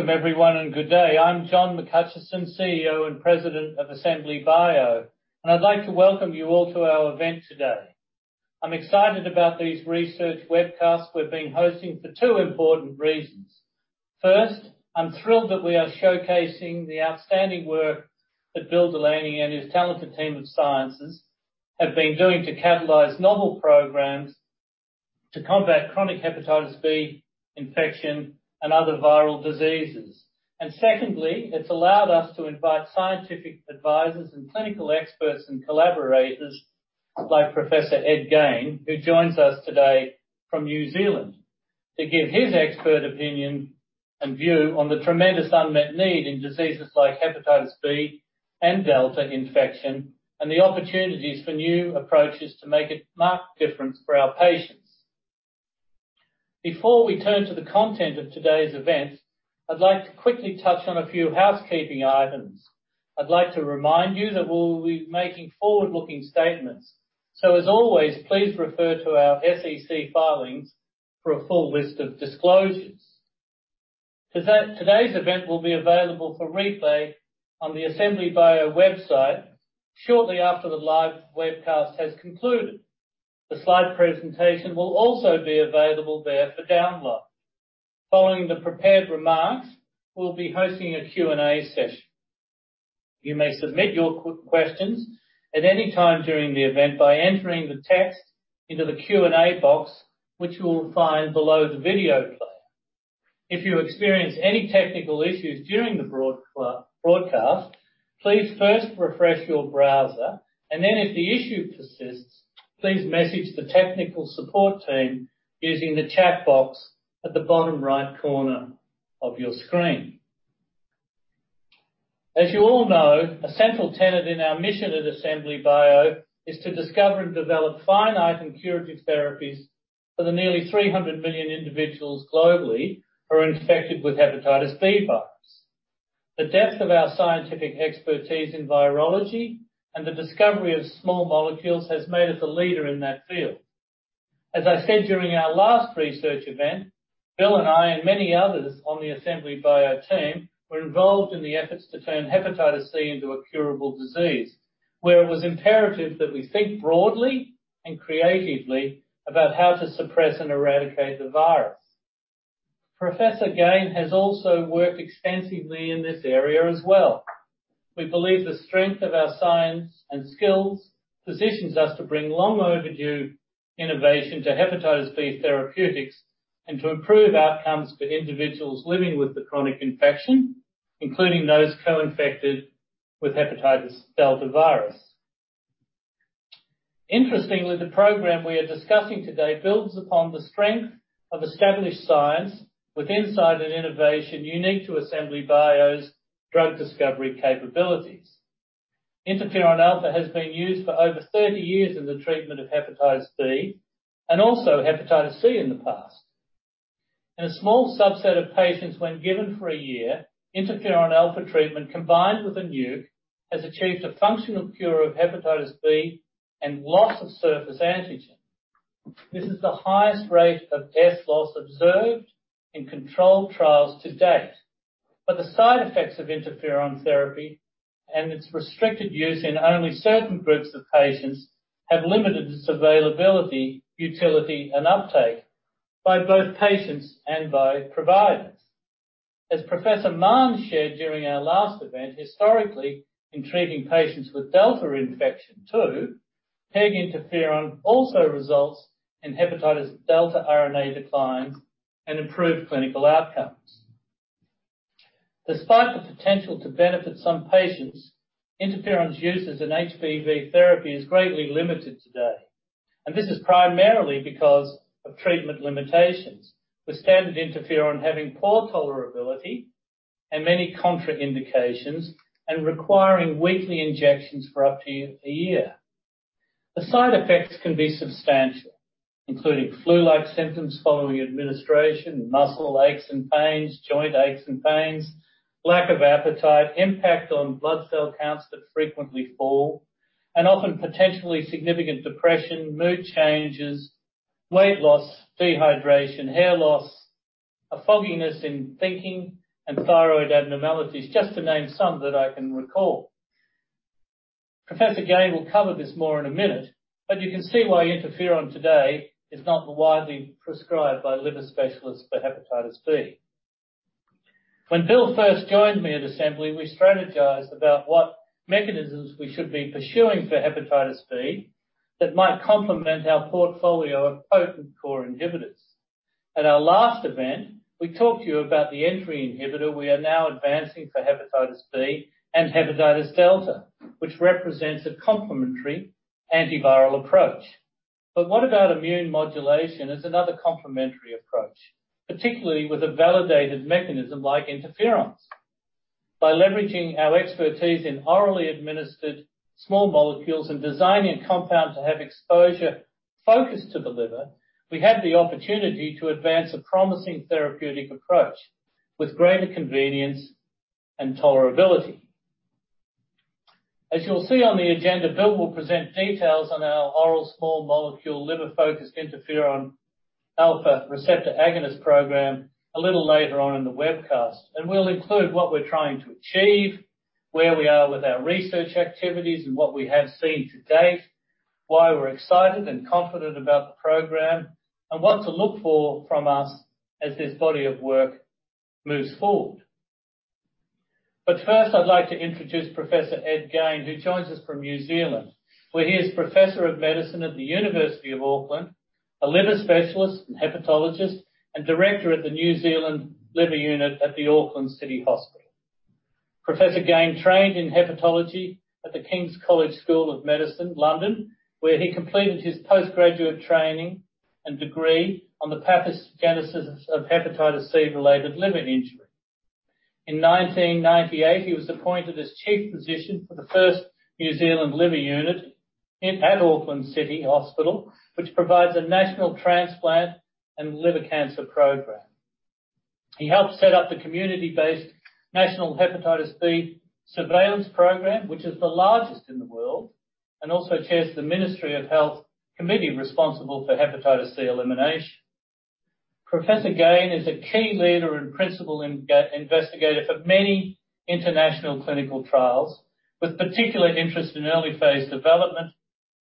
Welcome everyone, and good day. I'm John McHutchison, CEO and President of Assembly Bio, and I'd like to welcome you all to our event today. I'm excited about these research webcasts we've been hosting for two important reasons. First, I'm thrilled that we are showcasing the outstanding work that Will Delaney and his talented team of scientists have been doing to catalyze novel programs to combat chronic hepatitis B infection and other viral diseases. Secondly, it's allowed us to invite scientific advisors and clinical experts and collaborators like Professor Edward Gane, who joins us today from New Zealand to give his expert opinion and view on the tremendous unmet need in diseases like hepatitis B and delta infection, and the opportunities for new approaches to make a marked difference for our patients. Before we turn to the content of today's event, I'd like to quickly touch on a few housekeeping items. I'd like to remind you that we'll be making forward-looking statements. As always, please refer to our SEC filings for a full list of disclosures. Today's event will be available for replay on the Assembly Bio website shortly after the live webcast has concluded. The slide presentation will also be available there for download. Following the prepared remarks, we'll be hosting a Q&A session. You may submit your questions at any time during the event by entering the text into the Q&A box, which you will find below the video player. If you experience any technical issues during the broadcast, please first refresh your browser and then if the issue persists, please message the technical support team using the chat box at the bottom right corner of your screen. As you all know, a central tenet in our mission at Assembly Bio is to discover and develop finite and curative therapies for the nearly 300 million individuals globally who are infected with hepatitis B virus. The depth of our scientific expertise in virology and the discovery of small molecules has made us a leader in that field. As I said during our last research event, Will and I, and many others on the Assembly Bio team, were involved in the efforts to turn hepatitis C into a curable disease, where it was imperative that we think broadly and creatively about how to suppress and eradicate the virus. Professor Gane has also worked extensively in this area as well. We believe the strength of our science and skills positions us to bring long overdue innovation to hepatitis B therapeutics and to improve outcomes for individuals living with the chronic infection, including those co-infected with hepatitis delta virus. Interestingly, the program we are discussing today builds upon the strength of established science with insight and innovation unique to Assembly Bio's drug discovery capabilities. Interferon alpha has been used for over 30 years in the treatment of hepatitis B, and also hepatitis C in the past. In a small subset of patients, when given for a year, interferon alpha treatment combined with a NUC has achieved a functional cure of hepatitis B and loss of surface antigen. This is the highest rate of S loss observed in controlled trials to date. The side effects of interferon therapy and its restricted use in only certain groups of patients have limited its availability, utility, and uptake by both patients and by providers. As Professor Gane shared during our last event, historically in treating patients with delta infection too, peg interferon also results in hepatitis delta RNA declines and improved clinical outcomes. Despite the potential to benefit some patients, interferon's uses in HBV therapy are greatly limited today, and this is primarily because of treatment limitations. The standard interferon having poor tolerability and many contraindications and requiring weekly injections for up to a year. The side effects can be substantial, including flu-like symptoms following administration, muscle aches and pains, joint aches and pains, lack of appetite, impact on blood cell counts that frequently fall, and often potentially significant depression, mood changes, weight loss, dehydration, hair loss, a fogginess in thinking, and thyroid abnormalities, just to name some that I can recall. Professor Gane will cover this more in a minute, but you can see why interferon today is not widely prescribed by liver specialists for hepatitis B. When Will first joined me at Assembly, we strategized about what mechanisms we should be pursuing for hepatitis B that might complement our portfolio of potent core inhibitors. At our last event, we talked to you about the entry inhibitor we are now advancing for hepatitis B and hepatitis delta, which represents a complementary antiviral approach. What about immune modulation as another complementary approach, particularly with a validated mechanism like interferons? By leveraging our expertise in orally administered small molecules and designing a compound to have exposure focused to the liver, we had the opportunity to advance a promising therapeutic approach with greater convenience and tolerability. As you'll see on the agenda, Will will present details on our oral small molecule liver-focused interferon alpha receptor agonist program a little later on in the webcast. We'll include what we're trying to achieve, where we are with our research activities and what we have seen to date, why we're excited and confident about the program, and what to look for from us as this body of work moves forward. First, I'd like to introduce Professor Edward Gane, who joins us from New Zealand, where he is Professor of Medicine at the University of Auckland, a liver specialist and hepatologist, and Director at the New Zealand Liver Transplant Unit at the Auckland City Hospital. Professor Gane trained in hepatology at the King's College London GKT School of Medical Education, where he completed his postgraduate training and degree on the pathogenesis of hepatitis C-related liver injury. In 1998, he was appointed as Chief Physician for the first New Zealand Liver Transplant Unit at Auckland City Hospital, which provides a national transplant and liver cancer program. He helped set up the community-based National Hepatitis B Surveillance Program, which is the largest in the world, and also chairs the Ministry of Health committee responsible for hepatitis C elimination. Professor Gane is a key leader and principal investigator for many international clinical trials, with particular interest in early-phase development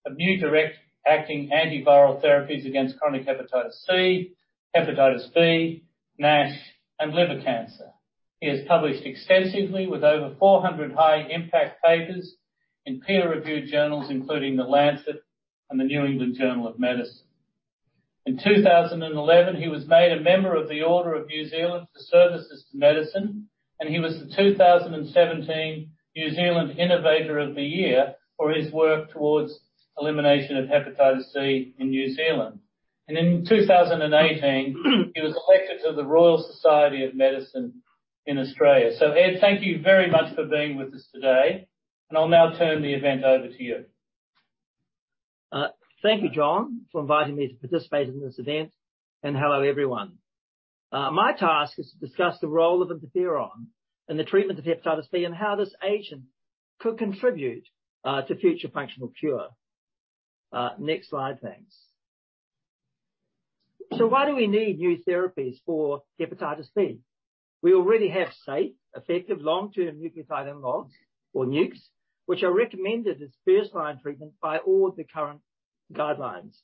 of new direct-acting antiviral therapies against chronic hepatitis C, hepatitis B, NASH, and liver cancer. He has published extensively with over 400 high-impact papers in peer-reviewed journals, including The Lancet and The New England Journal of Medicine. In 2011, he was made a member of the Order of New Zealand for services to medicine, and he was the 2017 New Zealand Innovator of the Year for his work towards elimination of hepatitis C in New Zealand. In 2018, he was elected to the Royal Society of Medicine in Australia. Ed, thank you very much for being with us today, and I'll now turn the event over to you. Thank you, John, for inviting me to participate in this event, and hello, everyone. My task is to discuss the role of interferon in the treatment of hepatitis B and how this agent could contribute to future functional cure. Why do we need new therapies for hepatitis B? We already have safe, effective long-term nucleotide analogs, or NUCs, which are recommended as first-line treatment by all of the current guidelines.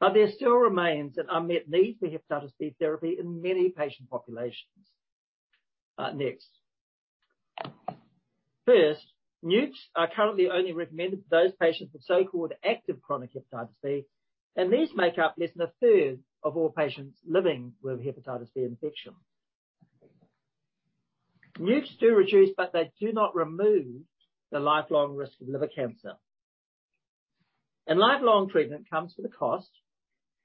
There still remains an unmet need for hepatitis B therapy in many patient populations. First, NUCs are currently only recommended to those patients with so-called active chronic hepatitis B, and these make up less than a third of all patients living with hepatitis B infection. NUCs do reduce, but they do not remove the lifelong risk of liver cancer. Lifelong treatment comes with a cost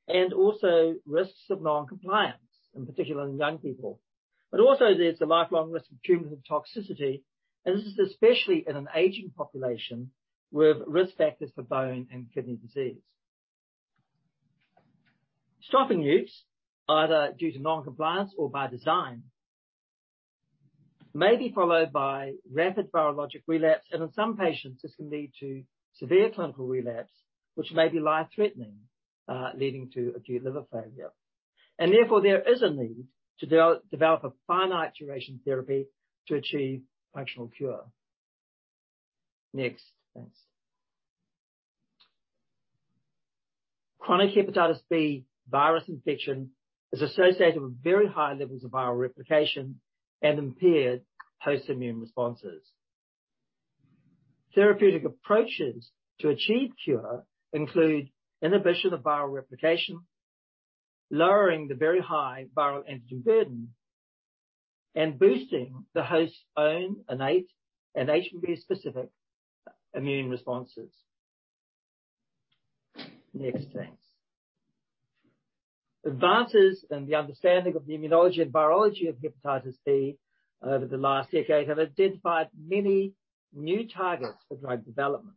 and also risks of non-compliance, in particular in young people. Also, there's a lifelong risk of cumulative toxicity, and this is especially in an aging population with risk factors for bone and kidney disease. Stopping NUCs, either due to non-compliance or by design, may be followed by rapid virologic relapse, and in some patients, this can lead to severe clinical relapse, which may be life-threatening, leading to acute liver failure. Therefore, there is a need to develop a finite duration therapy to achieve functional cure. Next, thanks. Chronic hepatitis B virus infection is associated with very high levels of viral replication and impaired host immune responses. Therapeutic approaches to achieve cure include inhibition of viral replication, lowering the very high viral antigen burden, and boosting the host's own innate and HB-specific immune responses. Next, thanks. Advances in the understanding of the immunology and virology of hepatitis B over the last decade have identified many new targets for drug development.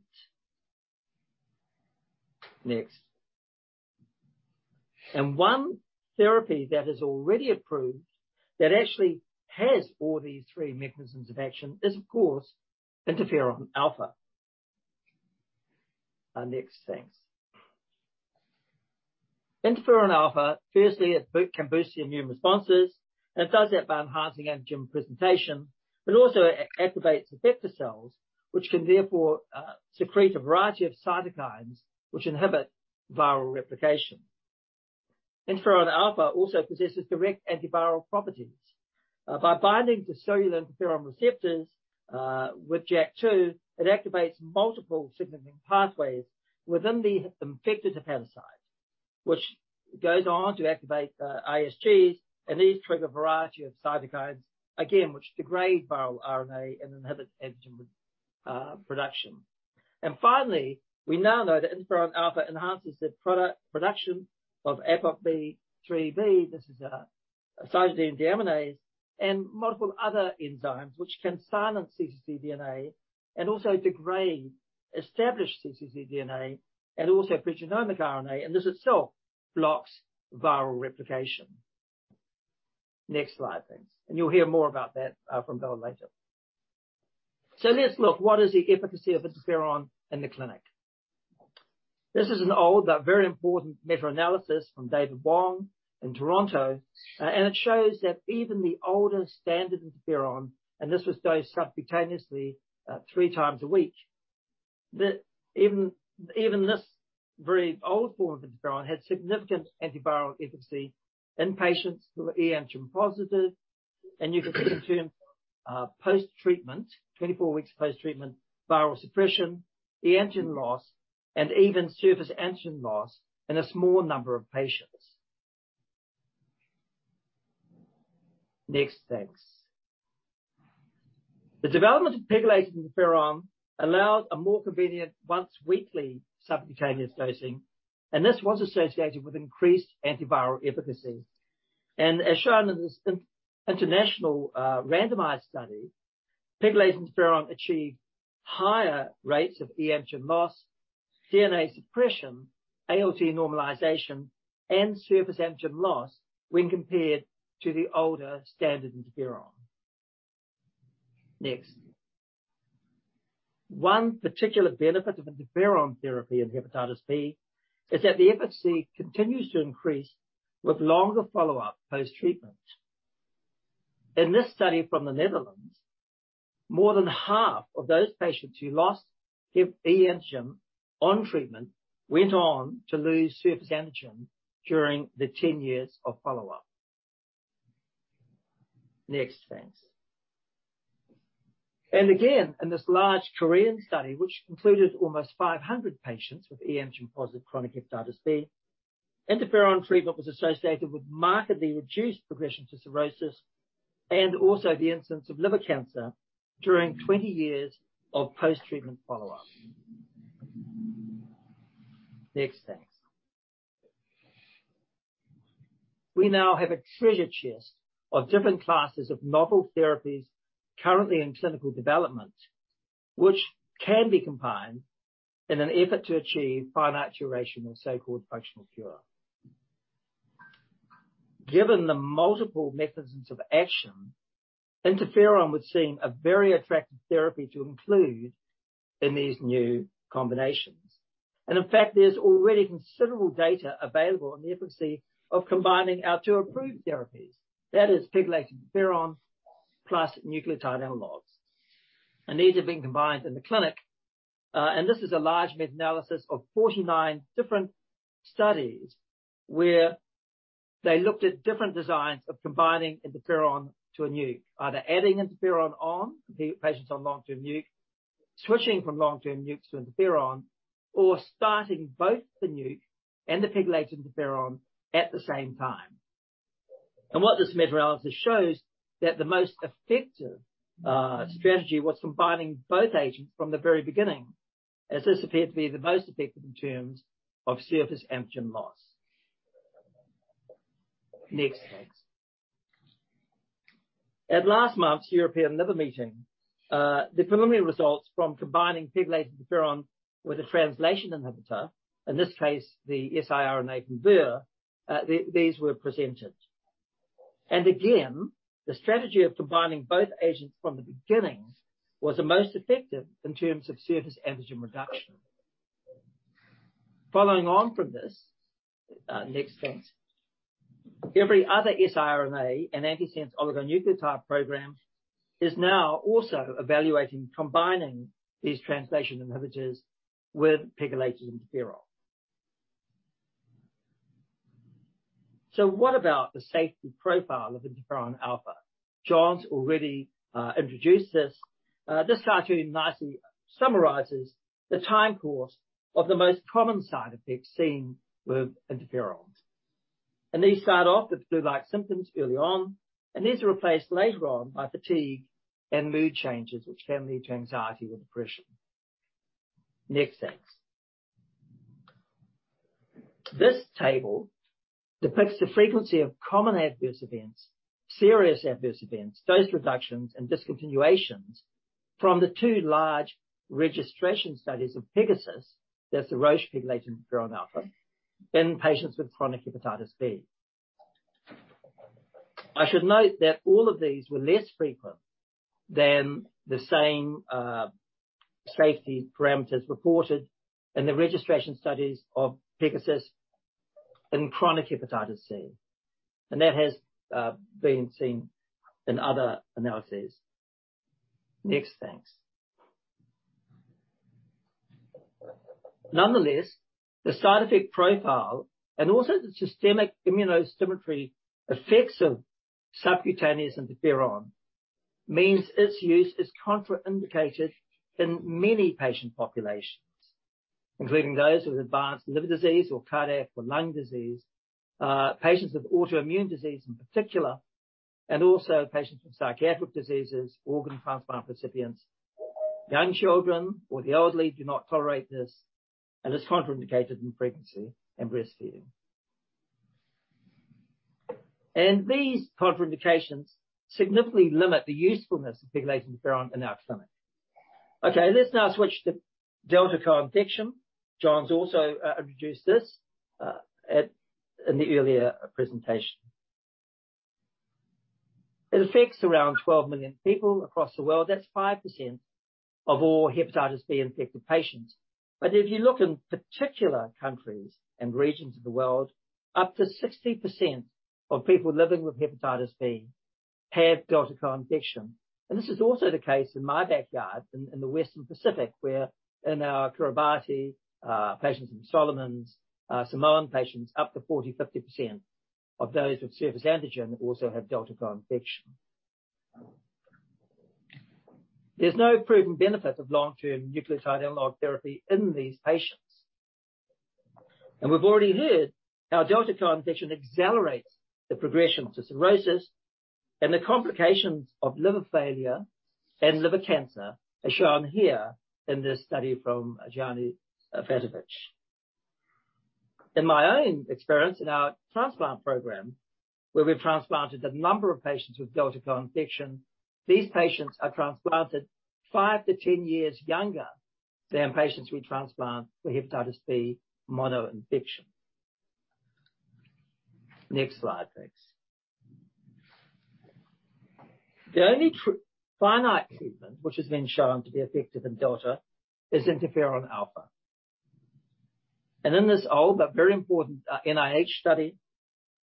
One therapy that is already approved that actually has all these three mechanisms of action is, of course, interferon alpha. Interferon alpha, firstly, it can boost the immune responses, and it does that by enhancing antigen presentation. It also activates effector cells, which can therefore secrete a variety of cytokines which inhibit viral replication. Interferon alpha also possesses direct antiviral properties. By binding to cellular interferon receptors with JAK2, it activates multiple signaling pathways within the infected hepatocyte, which goes on to activate ISGs, and these trigger a variety of cytokines, again, which degrade viral RNA and inhibit antigen production. Finally, we now know that interferon alpha enhances the production of APOBEC3B, this is a cytidine deaminase, and multiple other enzymes which can silence cccDNA and also degrade established cccDNA and also genomic RNA, and this itself blocks viral replication. Next slide, thanks. You'll hear more about that from Will later. Let's look, what is the efficacy of interferon in the clinic? This is an old but very important meta-analysis from David Wong in Toronto, and it shows that even the older standard interferon, and this was dosed subcutaneously, 3x a week, even this very old form of interferon had significant antiviral efficacy in patients who were e-antigen positive, and you can see in terms of post-treatment, 24 weeks post-treatment, viral suppression, e-antigen loss, and even surface antigen loss in a small number of patients. Next, thanks. The development of pegylated interferon allowed a more convenient once-weekly subcutaneous dosing, and this was associated with increased antiviral efficacy. As shown in this international randomized study, pegylated interferon achieved higher rates of e-antigen loss, DNA suppression, ALT normalization, and surface antigen loss when compared to the older standard interferon. Next. One particular benefit of interferon therapy in hepatitis B is that the efficacy continues to increase with longer follow-up post-treatment. In this study from the Netherlands, more than half of those patients who lost hep E antigen on treatment went on to lose surface antigen during the 10 years of follow-up. Next, thanks. Again, in this large Korean study, which included almost 500 patients with e-antigen-positive chronic hepatitis B, interferon treatment was associated with markedly reduced progression to cirrhosis and also the incidence of liver cancer during 20 years of post-treatment follow-up. Next, thanks. We now have a treasure chest of different classes of novel therapies currently in clinical development, which can be combined in an effort to achieve finite duration of so-called functional cure. Given the multiple mechanisms of action, interferon would seem a very attractive therapy to include in these new combinations. In fact, there's already considerable data available on the efficacy of combining our two approved therapies, that is pegylated interferon plus nucleotide analogs. These are being combined in the clinic, and this is a large meta-analysis of 49 different studies where they looked at different designs of combining interferon to a nuke, either adding interferon on patients on long-term nuke, switching from long-term nukes to interferon, or starting both the nuke and the pegylated interferon at the same time. What this meta-analysis shows that the most effective strategy was combining both agents from the very beginning, as this appeared to be the most effective in terms of surface antigen loss. Next, thanks. At last month's European Liver Meeting, the preliminary results from combining pegylated interferon with a translation inhibitor, in this case, the siRNA from Vir, these were presented. Again, the strategy of combining both agents from the beginning was the most effective in terms of surface antigen reduction. Following on from this, next, thanks. Every other siRNA and antisense oligonucleotide program is now also evaluating combining these translation inhibitors with pegylated interferon. What about the safety profile of interferon alpha? John has already introduced this. This slide actually nicely summarizes the time course of the most common side effects seen with interferons. These start off with flu-like symptoms early on, and these are replaced later on by fatigue and mood changes which can lead to anxiety or depression. Next, thanks. This table depicts the frequency of common adverse events, serious adverse events, dose reductions, and discontinuations from the two large registration studies of Pegasys, that's the Roche pegylated interferon alpha, in patients with chronic hepatitis B. I should note that all of these were less frequent than the same, safety parameters reported in the registration studies of Pegasys in chronic hepatitis C. That has been seen in other analyses. Next, thanks. Nonetheless, the side effect profile and also the systemic immunosuppressive effects of subcutaneous interferon means its use is contraindicated in many patient populations, including those with advanced liver disease or cardiac or lung disease, patients with autoimmune disease in particular, and also patients with psychiatric diseases, organ transplant recipients. Young children or the elderly do not tolerate this, and it's contraindicated in pregnancy and breastfeeding. These contraindications significantly limit the usefulness of pegylated interferon in our clinic. Okay, let's now switch to delta co-infection. John's also introduced this in the earlier presentation. It affects around 12 million people across the world. That's 5% of all hepatitis B-infected patients. If you look in particular countries and regions of the world, up to 60% of people living with hepatitis B have delta co-infection. This is also the case in my backyard in the Western Pacific, where in our Kiribati patients in Solomons, Samoan patients, up to 40%, 50% of those with surface antigen also have delta co-infection. There's no proven benefit of long-term nucleotide analog therapy in these patients. We've already heard how delta co-infection accelerates the progression to cirrhosis and the complications of liver failure and liver cancer, as shown here in this study from Giovanni Fattovich. In my own experience in our transplant program, where we've transplanted a number of patients with delta co-infection, these patients are transplanted 5-10 years younger than patients we transplant for hepatitis B monoinfection. Next slide, thanks. The only finite treatment which has been shown to be effective in delta is interferon alpha. In this old but very important NIH study,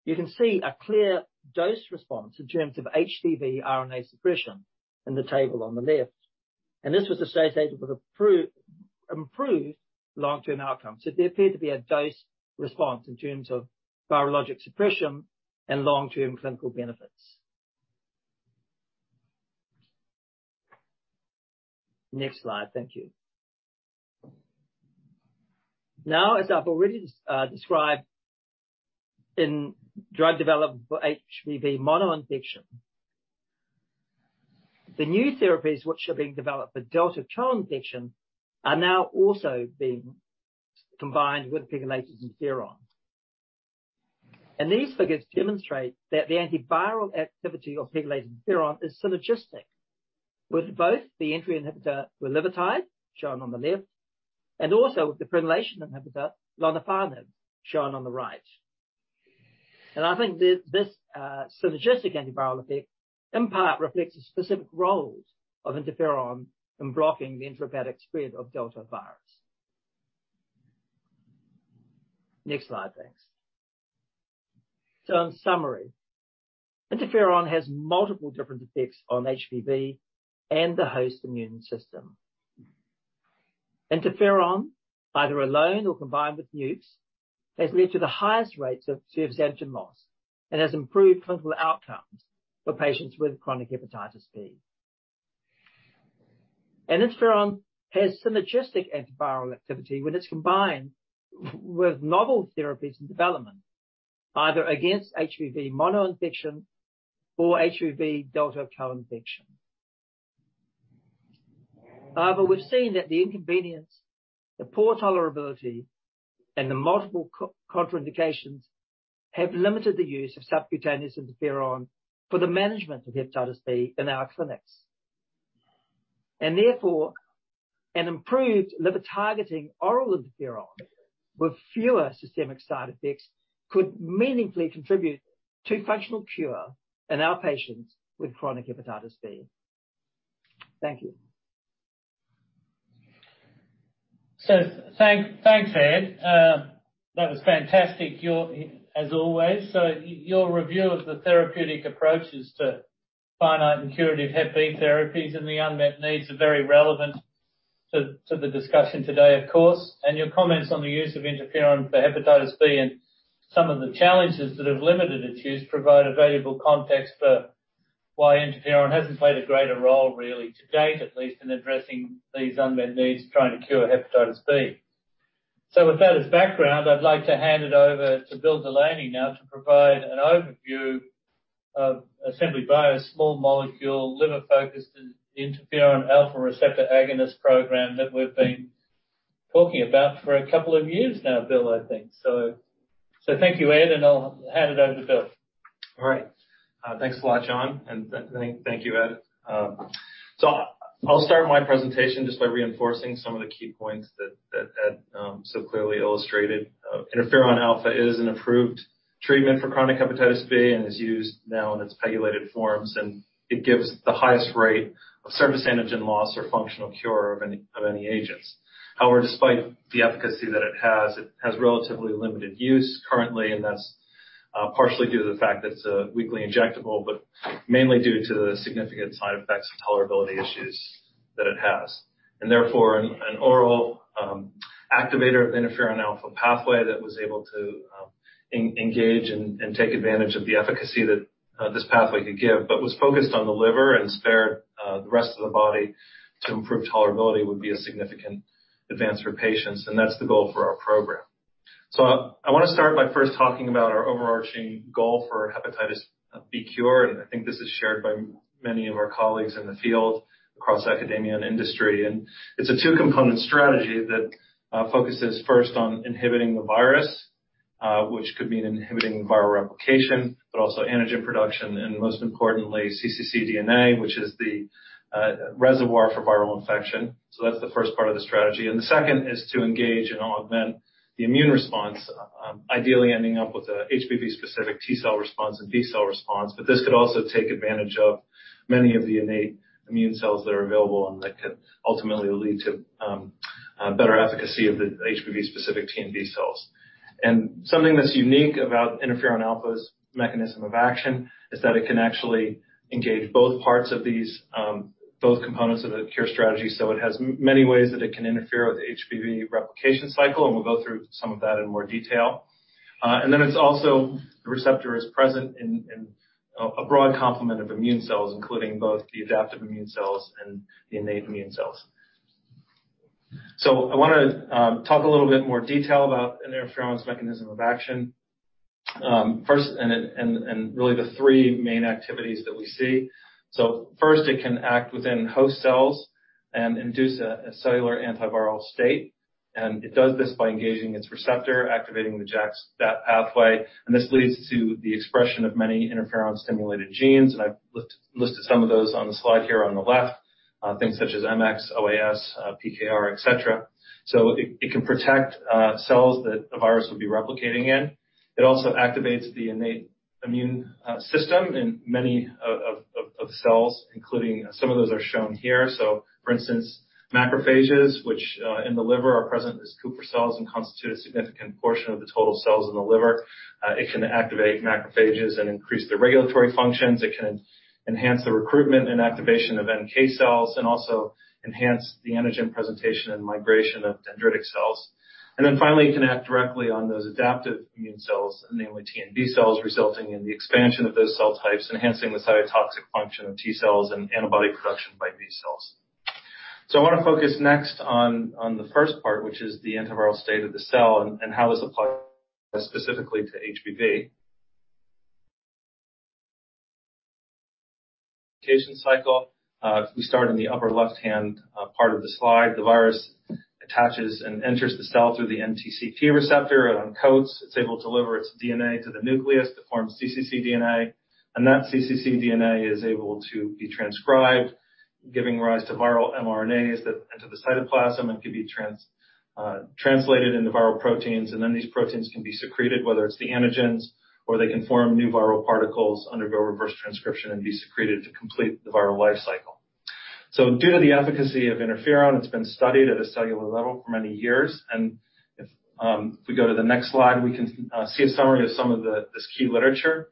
you can see a clear dose response in terms of HBV RNA suppression in the table on the left. This was associated with improved long-term outcomes. There appeared to be a dose response in terms of virologic suppression and long-term clinical benefits. Next slide, thank you. Now, as I've already described in drug development for HBV monoinfection, the new therapies which are being developed for delta co-infection are now also being combined with pegylated interferons. These figures demonstrate that the antiviral activity of pegylated interferon is synergistic with both the entry inhibitor bulevirtide, shown on the left, and also with the prenylation inhibitor lonafarnib, shown on the right. I think this synergistic antiviral effect in part reflects the specific roles of interferon in blocking the intrahepatic spread of delta virus. Next slide, thanks. In summary, interferon has multiple different effects on HBV and the host immune system. Interferon, either alone or combined with nukes, has led to the highest rates of surface antigen loss and has improved clinical outcomes for patients with chronic hepatitis B. Interferon has synergistic antiviral activity when it's combined with novel therapies in development, either against HBV monoinfection or HBV delta co-infection. However, we've seen that the inconvenience, the poor tolerability, and the multiple contraindications have limited the use of subcutaneous interferon for the management of hepatitis B in our clinics. Therefore, an improved liver-targeting oral interferon with fewer systemic side effects could meaningfully contribute to functional cure in our patients with chronic hepatitis B. Thank you. Thanks, Ed. That was fantastic. As always. Your review of the therapeutic approaches to finite and curative hep B therapies and the unmet needs are very relevant to the discussion today, of course. Your comments on the use of interferon for hepatitis B and some of the challenges that have limited its use provide a valuable context for why interferon hasn't played a greater role really, to date, at least in addressing these unmet needs trying to cure hepatitis B. With that as background, I'd like to hand it over to William Delaney now to provide an overview of Assembly Bio's small molecule liver-focused interferon alpha receptor agonist program that we've been talking about for a couple of years now, Will, I think. Thank you, Ed, and I'll hand it over to Will. All right. Thanks a lot, John, and thank you, Ed. I'll start my presentation just by reinforcing some of the key points that Ed so clearly illustrated. Interferon alpha is an approved treatment for chronic hepatitis B and is used now in its pegylated forms, and it gives the highest rate of surface antigen loss or functional cure of any agents. However, despite the efficacy that it has, it has relatively limited use currently, and that's partially due to the fact that it's a weekly injectable, but mainly due to the significant side effects and tolerability issues that it has. Therefore an oral activator of the interferon alpha pathway that was able to engage and take advantage of the efficacy that this pathway could give, but was focused on the liver and spare the rest of the body to improve tolerability would be a significant advance for patients, and that's the goal for our program. I want to start by first talking about our overarching goal for hepatitis B cure, and I think this is shared by many of our colleagues in the field across academia and industry. It's a two-component strategy that focuses first on inhibiting the virus, which could mean inhibiting viral replication, but also antigen production, and most importantly, cccDNA, which is the reservoir for viral infection. That's the first part of the strategy. The second is to engage and augment the immune response, ideally ending up with a HBV-specific T cell response and B cell response. This could also take advantage of many of the innate immune cells that are available and that could ultimately lead to, better efficacy of the HBV specific T and B cells. Something that's unique about interferon alpha's mechanism of action is that it can actually engage both parts of these, both components of the cure strategy. It has many ways that it can interfere with HBV replication cycle, and we'll go through some of that in more detail. It's also the receptor is present in a broad complement of immune cells, including both the adaptive immune cells and the innate immune cells. I want to talk a little bit more detail about interferon's mechanism of action. First, really the three main activities that we see. First, it can act within host cells and induce a cellular antiviral state. It does this by engaging its receptor, activating the JAK-STAT pathway, and this leads to the expression of many interferon-stimulated genes. I've listed some of those on the slide here on the left, things such as Mx, OAS, PKR, et cetera. It can protect cells that the virus would be replicating in. It also activates the innate immune system in many of cells, including some of those are shown here. For instance, macrophages, which in the liver are present as Kupffer cells and constitute a significant portion of the total cells in the liver. It can activate macrophages and increase their regulatory functions. It can enhance the recruitment and activation of NK cells and also enhance the antigen presentation and migration of dendritic cells. Finally, it can act directly on those adaptive immune cells, namely T and B cells, resulting in the expansion of those cell types, enhancing the cytotoxic function of T cells and antibody production by B cells. I want to focus next on the first part, which is the antiviral state of the cell, and how this applies specifically to HBV. Replication cycle. If we start in the upper left-hand part of the slide, the virus attaches and enters the cell through the NTCP receptor. It uncoats. It's able to deliver its DNA to the nucleus to form cccDNA, and that cccDNA is able to be transcribed, giving rise to viral mRNAs that enter the cytoplasm and can be translated into viral proteins. These proteins can be secreted, whether it's the antigens or they can form new viral particles, undergo reverse transcription and be secreted to complete the viral life cycle. Due to the efficacy of interferon, it's been studied at a cellular level for many years. If we go to the next slide, we can see a summary of some of this key literature.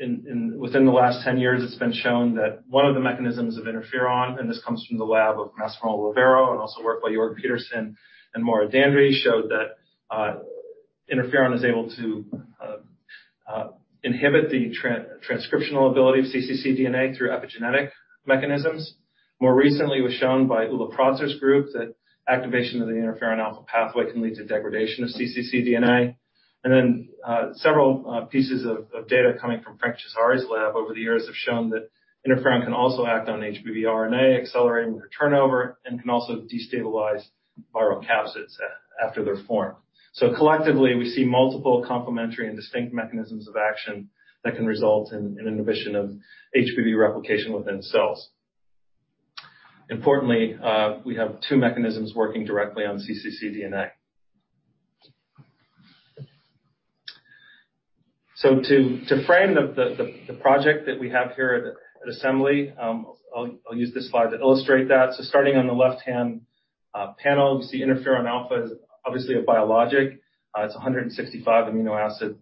Within the last 10 years, it's been shown that one of the mechanisms of interferon, and this comes from the lab of Massimo Levrero and also work by Jörg Petersen and Maura Dandri, showed that interferon is able to inhibit the transcriptional ability of cccDNA through epigenetic mechanisms. More recently, it was shown by Ulrike Protzer's group that activation of the interferon alpha pathway can lead to degradation of cccDNA. Several pieces of data coming from Francis V. Chisari's lab over the years have shown that interferon can also act on HBV RNA, accelerating their turnover, and can also destabilize viral capsids after they're formed. Collectively, we see multiple complementary and distinct mechanisms of action that can result in inhibition of HBV replication within cells. Importantly, we have two mechanisms working directly on cccDNA. To frame the project that we have here at Assembly, I'll use this slide to illustrate that. Starting on the left-hand panel, you see interferon alpha is obviously a biologic. It's a 165 amino acid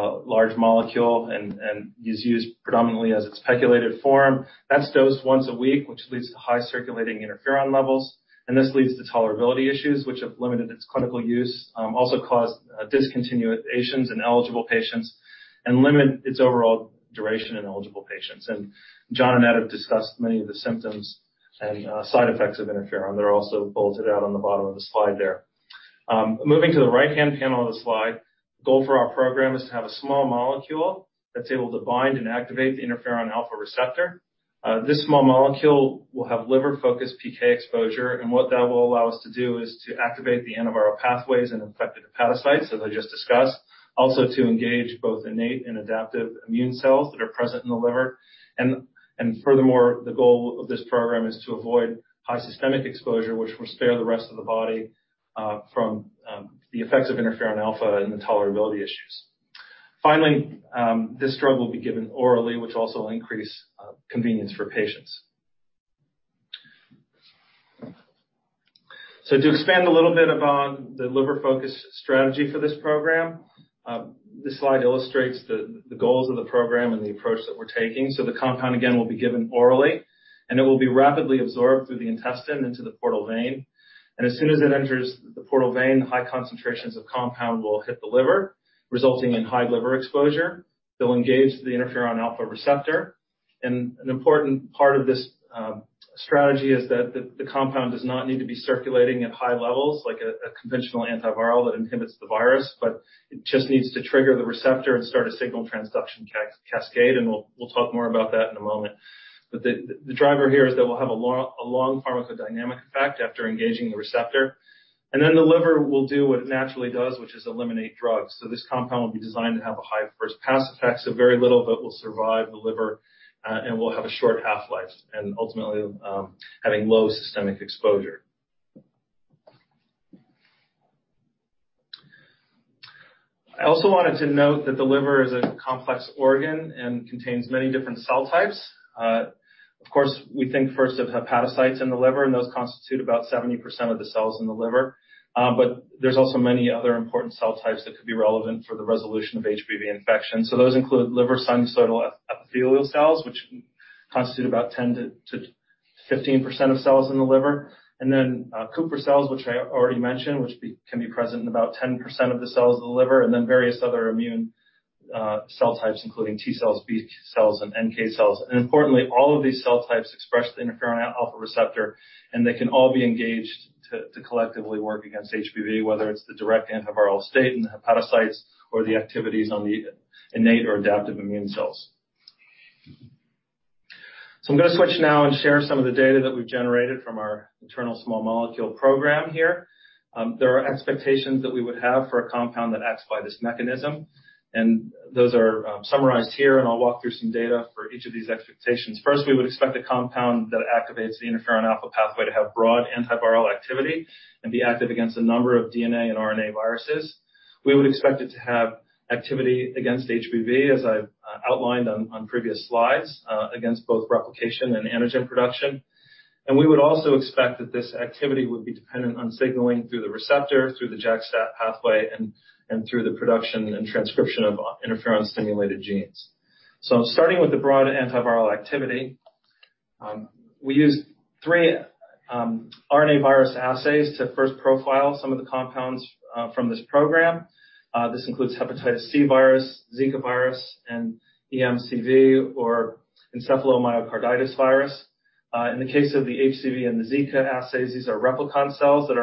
large molecule and is used predominantly as its pegylated form. That's dosed once a week, which leads to high circulating interferon levels, and this leads to tolerability issues which have limited its clinical use, also caused discontinuations in eligible patients and limit its overall duration in eligible patients. John and Ed have discussed many of the symptoms and side effects of interferon. They're also bulleted out on the bottom of the slide there. Moving to the right-hand panel of the slide, the goal for our program is to have a small molecule that's able to bind and activate the interferon alpha receptor. This small molecule will have liver-focused PK exposure, and what that will allow us to do is to activate the antiviral pathways in infected hepatocytes, as I just discussed, also to engage both innate and adaptive immune cells that are present in the liver. Furthermore, the goal of this program is to avoid high systemic exposure which will spare the rest of the body from the effects of interferon alpha and the tolerability issues. Finally, this drug will be given orally, which also will increase convenience for patients. To expand a little bit upon the liver-focused strategy for this program, this slide illustrates the goals of the program and the approach that we're taking. The compound, again, will be given orally, and it will be rapidly absorbed through the intestine into the portal vein. As soon as it enters the portal vein, high concentrations of compound will hit the liver, resulting in high liver exposure. They'll engage the interferon alpha receptor. An important part of this strategy is that the compound does not need to be circulating at high levels like a conventional antiviral that inhibits the virus, but it just needs to trigger the receptor and start a signal transduction cascade, and we'll talk more about that in a moment. The driver here is that we'll have a long pharmacodynamic effect after engaging the receptor, and then the liver will do what it naturally does, which is eliminate drugs. This compound will be designed to have a high first pass effect, so very little of it will survive the liver, and will have a short half-life and ultimately having low systemic exposure. I also wanted to note that the liver is a complex organ and contains many different cell types. Of course, we think first of hepatocytes in the liver, and those constitute about 70% of the cells in the liver. There's also many other important cell types that could be relevant for the resolution of HBV infection. Those include liver sinusoidal endothelial cells, which constitute about 10%-15% of cells in the liver. Kupffer cells, which I already mentioned, which can be present in about 10% of the cells of the liver, and then various other immune cell types, including T cells, B cells, and NK cells. Importantly, all of these cell types express the interferon alpha receptor, and they can all be engaged to collectively work against HBV, whether it's the direct antiviral state in the hepatocytes or the activities on the innate or adaptive immune cells. I'm going to switch now and share some of the data that we've generated from our internal small molecule program here. There are expectations that we would have for a compound that acts by this mechanism, and those are summarized here, and I'll walk through some data for each of these expectations. First, we would expect the compound that activates the interferon alpha pathway to have broad antiviral activity and be active against a number of DNA and RNA viruses. We would expect it to have activity against HBV, as I've outlined on previous slides, against both replication and antigen production. We would also expect that this activity would be dependent on signaling through the receptor, through the JAK-STAT pathway, and through the production and transcription of interferon-stimulated genes. Starting with the broad antiviral activity, we used three RNA virus assays to first profile some of the compounds from this program. This includes hepatitis C virus, Zika virus, and EMCV or encephalomyocarditis virus. In the case of the HCV and the Zika assays, these are replicon cells that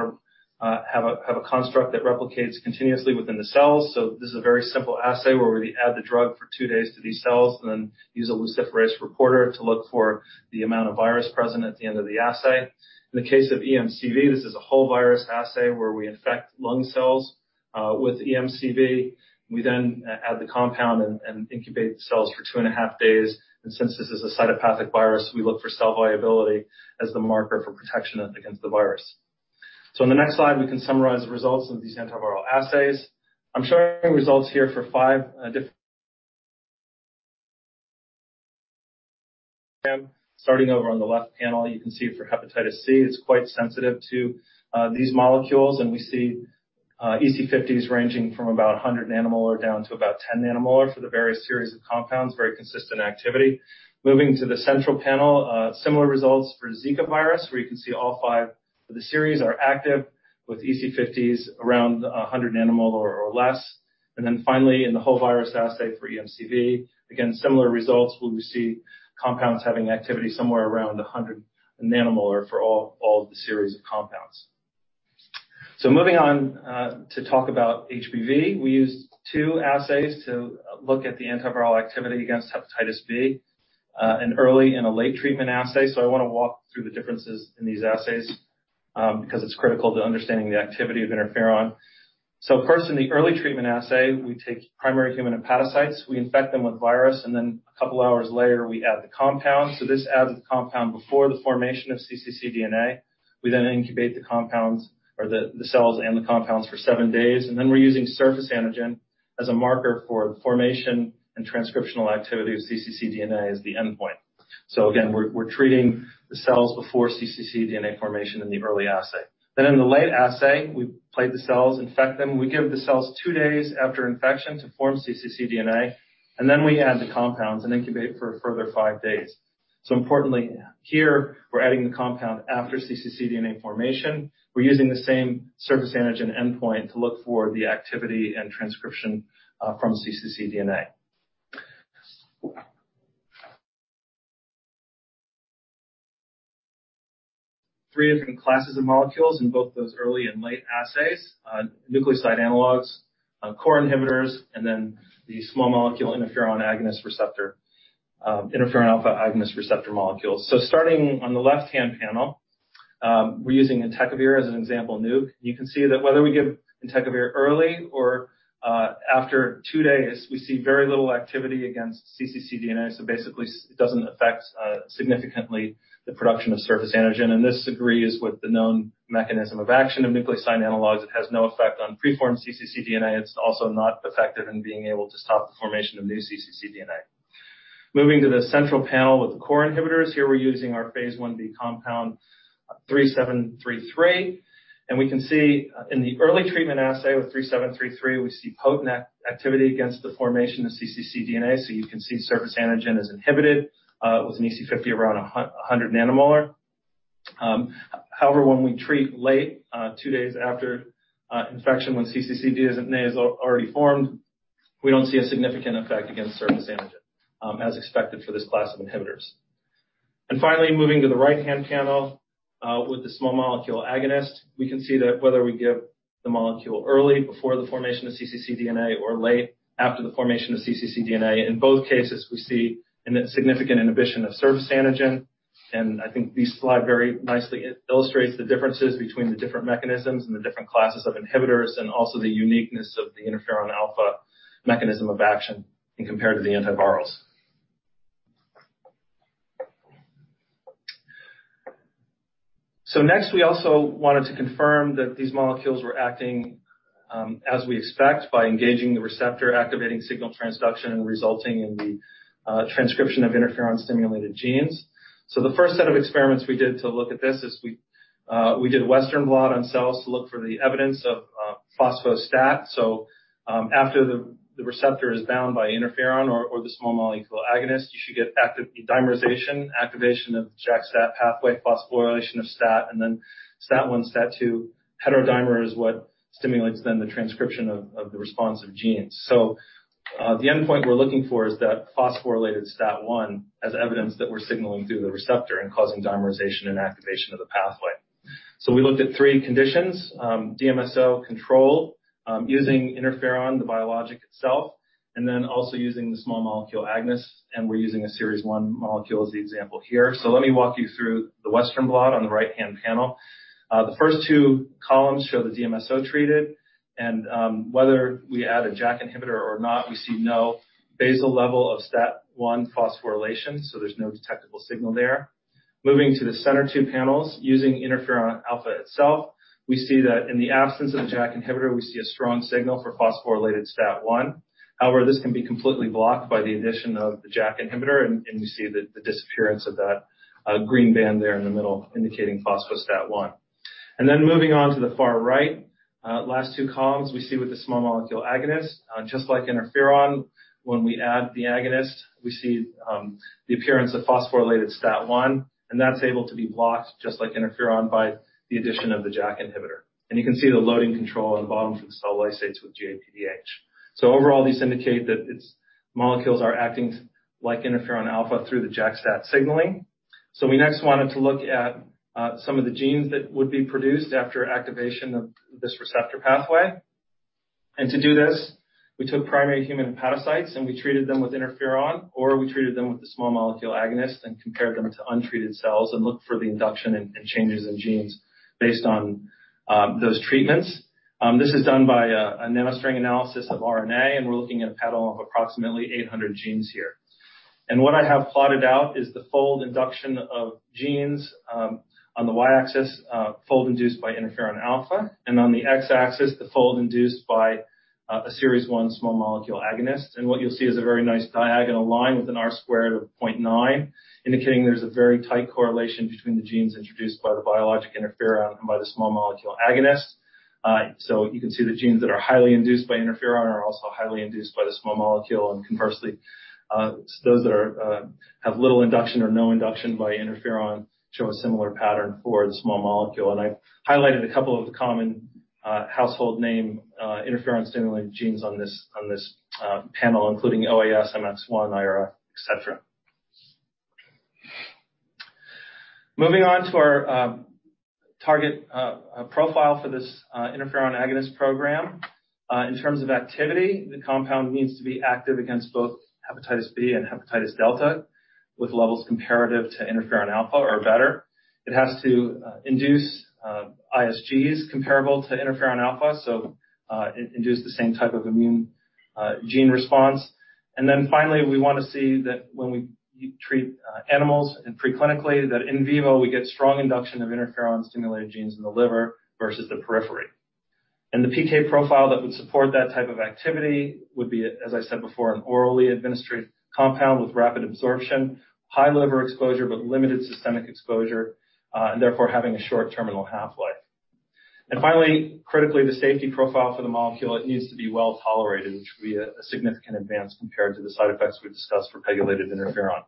have a construct that replicates continuously within the cells. This is a very simple assay where we add the drug for two days to these cells and then use a luciferase reporter to look for the amount of virus present at the end of the assay. In the case of EMCV, this is a whole virus assay where we infect lung cells with EMCV. We then add the compound and incubate the cells for two and a half days. Since this is a cytopathic virus, we look for cell viability as the marker for protection against the virus. In the next slide, we can summarize the results of these antiviral assays. I'm showing results here for five. Starting over on the left panel, you can see for hepatitis C, it's quite sensitive to these molecules, and we see EC50 is ranging from about 100 nanomolar down to about 10 nanomolar for the various series of compounds, very consistent activity. Moving to the central panel, similar results for Zika virus, where you can see all five of the series are active with EC50s around 100 nanomolar or less. Then finally, in the whole virus assay for EMCV, again, similar results where we see compounds having activity somewhere around 100 nanomolar for all of the series of compounds. Moving on to talk about HBV, we used two assays to look at the antiviral activity against hepatitis B, an early and a late treatment assay. I want to walk through the differences in these assays, because it's critical to understanding the activity of interferon. First, in the early treatment assay, we take primary human hepatocytes, we infect them with virus, and then a couple of hours later, we add the compound. This adds the compound before the formation of cccDNA. We then incubate the compounds or the cells and the compounds for 7 days. Then we're using surface antigen as a marker for the formation and transcriptional activity of cccDNA as the endpoint. Again, we're treating the cells before cccDNA formation in the early assay. In the late assay, we plate the cells, infect them. We give the cells 2 days after infection to form cccDNA, and then we add the compounds and incubate for a further 5 days. Importantly, here, we're adding the compound after cccDNA formation. We're using the same surface antigen endpoint to look for the activity and transcription from cccDNA. Three different classes of molecules in both those early and late assays, nucleoside analogues, core inhibitors, and then the small molecule interferon agonist receptor, interferon alpha agonist receptor molecules. Starting on the left-hand panel, we're using entecavir as an example nuc. You can see that whether we give entecavir early or after two days, we see very little activity against cccDNA. Basically, it doesn't affect significantly the production of surface antigen. This agrees with the known mechanism of action of nucleoside analogues. It has no effect on preformed cccDNA. It's also not effective in being able to stop the formation of new cccDNA. Moving to the central panel with the core inhibitors, here we're using our phase Ib compound ABI-H3733. We can see in the early treatment assay with ABI-H3733, we see potent activity against the formation of cccDNA. You can see surface antigen is inhibited with an EC50 around 100 nanomolar. However, when we treat late, two days after infection when cccDNA is already formed, we don't see a significant effect against surface antigen, as expected for this class of inhibitors. Finally, moving to the right-hand panel with the small molecule agonist, we can see that whether we give the molecule early before the formation of cccDNA or late after the formation of cccDNA, in both cases, we see a significant inhibition of surface antigen. I think this slide very nicely illustrates the differences between the different mechanisms and the different classes of inhibitors and also the uniqueness of the interferon alpha mechanism of action as compared to the antivirals. Next, we also wanted to confirm that these molecules were acting as we expect by engaging the receptor, activating signal transduction and resulting in the transcription of interferon-stimulated genes. The first set of experiments we did to look at this is we did Western blot on cells to look for the evidence of phospho-STAT. After the receptor is bound by interferon or the small molecule agonist, you should get active dimerization, activa`tion of JAK-STAT pathway, phosphorylation of STAT, and then STAT1, STAT2. Heterodimer is what stimulates then the transcription of the responsive genes. The endpoint we're looking for is that phosphorylated STAT1 as evidence that we're signaling through the receptor and causing dimerization and activation of the pathway. We looked at three conditions. DMSO control, using interferon, the biologic itself, and then also using the small molecule agonist, and we're using a series one molecule as the example here. Let me walk you through the Western blot on the right-hand panel. The first two columns show the DMSO treated, and whether we add a JAK inhibitor or not, we see no basal level of STAT1 phosphorylation, so there's no detectable signal there. Moving to the center two panels, using interferon alpha itself, we see that in the absence of the JAK inhibitor, we see a strong signal for phosphorylated STAT1. However, this can be completely blocked by the addition of the JAK inhibitor, and you see the disappearance of that green band there in the middle, indicating phospho-STAT1. Moving on to the far right, last two columns we see with the small molecule agonist. Just like interferon, when we add the agonist, we see the appearance of phosphorylated STAT1, and that's able to be blocked, just like interferon by the addition of the JAK inhibitor. You can see the loading control on the bottom for the cell lysates with GAPDH. Overall, these indicate that its molecules are acting like interferon alpha through the JAK-STAT signaling. We next wanted to look at some of the genes that would be produced after activation of this receptor pathway. To do this, we took primary human hepatocytes, and we treated them with interferon, or we treated them with a small molecule agonist and compared them to untreated cells and looked for the induction and changes in genes based on those treatments. This is done by a NanoString analysis of RNA, and we're looking at a panel of approximately 800 genes here. What I have plotted out is the fold induction of genes on the y-axis, fold induced by interferon alpha, and on the x-axis, the fold induced by a series one small molecule agonist. What you'll see is a very nice diagonal line with an R squared of 0.9, indicating there's a very tight correlation between the genes induced by the biologic interferon and by the small molecule agonist. You can see the genes that are highly induced by interferon are also highly induced by the small molecule, and conversely, those that are have little induction or no induction by interferon show a similar pattern for the small molecule. I've highlighted a couple of the common household name interferon-stimulated genes on this panel, including OAS, MX1, IRA, et cetera. Moving on to our target profile for this interferon agonist program. In terms of activity, the compound needs to be active against both hepatitis B and hepatitis delta with levels comparable to interferon alpha or better. It has to induce ISGs comparable to interferon alpha, so induce the same type of immune gene response. Then finally, we want to see that when we treat animals and preclinically that in vivo we get strong induction of interferon-stimulated genes in the liver versus the periphery. The PK profile that would support that type of activity would be, as I said before, an orally administered compound with rapid absorption, high liver exposure, but limited systemic exposure, and therefore having a short terminal half-life. Finally, critically, the safety profile for the molecule, it needs to be well-tolerated, which would be a significant advance compared to the side effects we've discussed for pegylated interferon.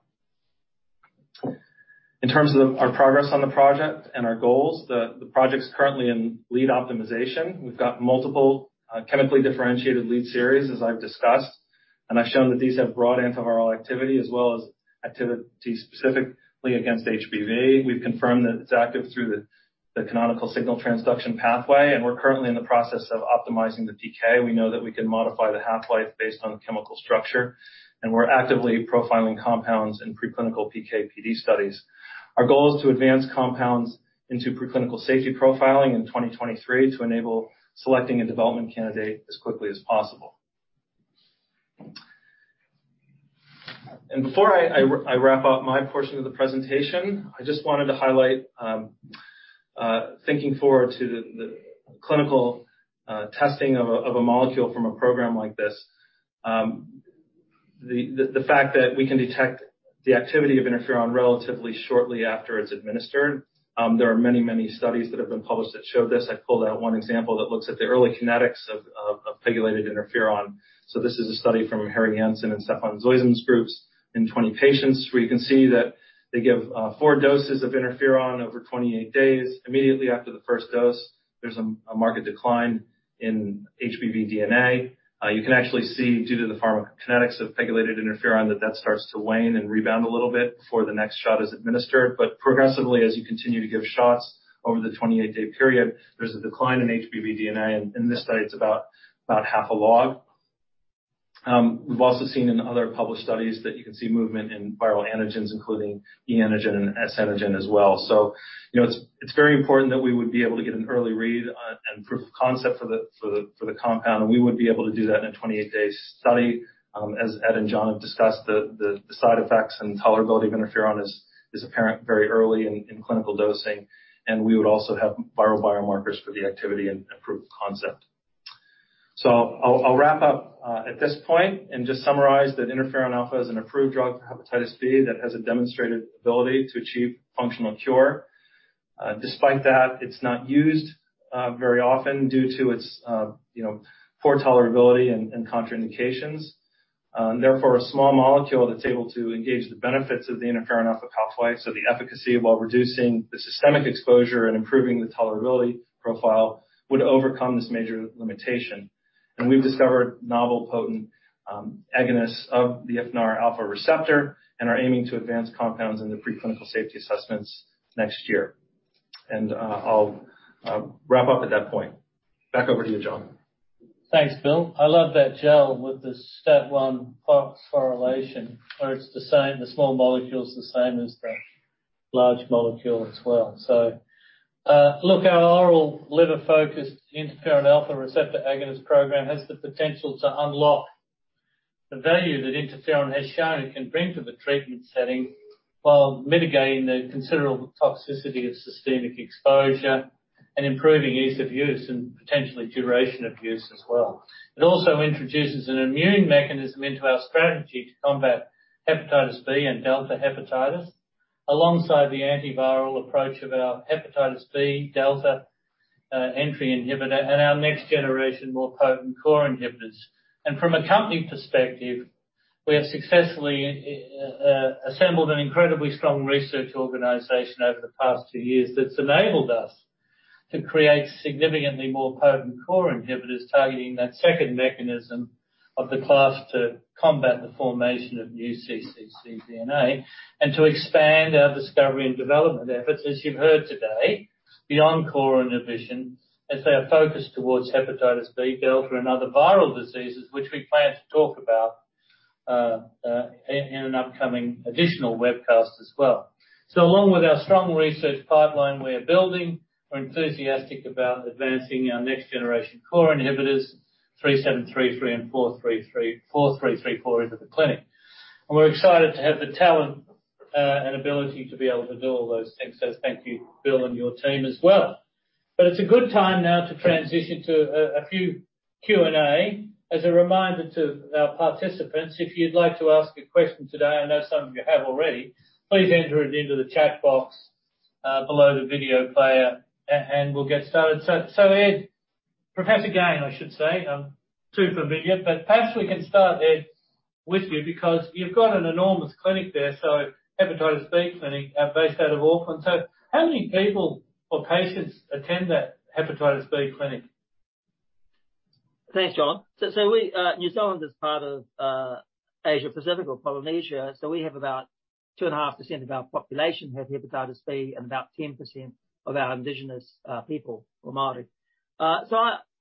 In terms of our progress on the project and our goals, the project's currently in lead optimization. We've got multiple chemically differentiated lead series, as I've discussed, and I've shown that these have broad antiviral activity as well as activity specifically against HBV. We've confirmed that it's active through the canonical signal transduction pathway, and we're currently in the process of optimizing the PK. We know that we can modify the half-life based on the chemical structure, and we're actively profiling compounds in preclinical PK/PD studies. Our goal is to advance compounds into preclinical safety profiling in 2023 to enable selecting a development candidate as quickly as possible. Before I wrap up my portion of the presentation, I just wanted to highlight thinking forward to the clinical testing of a molecule from a program like this. The fact that we can detect the activity of interferon relatively shortly after it's administered, there are many studies that have been published that show this. I pulled out one example that looks at the early kinetics of pegylated interferon. This is a study from Harry Janssen and Stefan Zeuzem's groups in 20 patients, where you can see that they give 4 doses of interferon over 28 days. Immediately after the first dose, there's a marked decline in HBV DNA. You can actually see due to the pharmacokinetics of pegylated interferon that that starts to wane and rebound a little bit before the next shot is administered. Progressively, as you continue to give shots over the 28-day period, there's a decline in HBV DNA, and in this study it's about half a log. We've also seen in other published studies that you can see movement in viral antigens, including e antigen and S antigen as well. You know, it's very important that we would be able to get an early read on it and proof of concept for the compound, and we would be able to do that in a 28-day study. As Ed and John have discussed, the side effects and tolerability of interferon is apparent very early in clinical dosing, and we would also have viral biomarkers for the activity and proof of concept. I'll wrap up at this point and just summarize that interferon alpha is an approved drug for hepatitis B that has a demonstrated ability to achieve functional cure. Despite that, it's not used very often due to its you know, poor tolerability and contraindications. Therefore, a small molecule that's able to engage the benefits of the interferon alpha pathway, so the efficacy while reducing the systemic exposure and improving the tolerability profile would overcome this major limitation. We've discovered novel potent agonists of the IFNAR alpha receptor and are aiming to advance compounds in the preclinical safety assessments next year. I'll wrap up at that point. Back over to you, John. Thanks, Will. I love that gel with the STAT1 phosphorylation where it's the same, the small molecule's the same as the large molecule as well. Look, our oral liver-focused interferon alpha receptor agonist program has the potential to unlock the value that interferon has shown it can bring to the treatment setting while mitigating the considerable toxicity of systemic exposure and improving ease of use and potentially duration of use as well. It also introduces an immune mechanism into our strategy to combat hepatitis B and delta hepatitis alongside the antiviral approach of our hepatitis B delta entry inhibitor and our next generation, more potent core inhibitors. From a company perspective, we have successfully assembled an incredibly strong research organization over the past two years that's enabled us to create significantly more potent core inhibitors targeting that second mechanism of the class to combat the formation of new cccDNA and to expand our discovery and development efforts, as you've heard today, beyond core inhibition as they are focused towards hepatitis B, delta and other viral diseases, which we plan to talk about in an upcoming additional webcast as well. Along with our strong research pipeline we are building, we're enthusiastic about advancing our next generation core inhibitors, 3733 and 4334, into the clinic. We're excited to have the talent and ability to be able to do all those things. Thank you, Will and your team as well. It's a good time now to transition to a few Q&A. As a reminder to our participants, if you'd like to ask a question today, I know some of you have already, please enter it into the chat box below the video player and we'll get started. Ed Gane, Professor Gane, I should say, I'm too familiar, but perhaps we can start, Ed, with you because you've got an enormous clinic there, so hepatitis B clinic based out of Auckland. How many people or patients attend that hepatitis B clinic? Thanks, John. New Zealand is part of Asia-Pacific or Polynesia, so we have about 2.5% of our population have hepatitis B and about 10% of our indigenous people or Māori.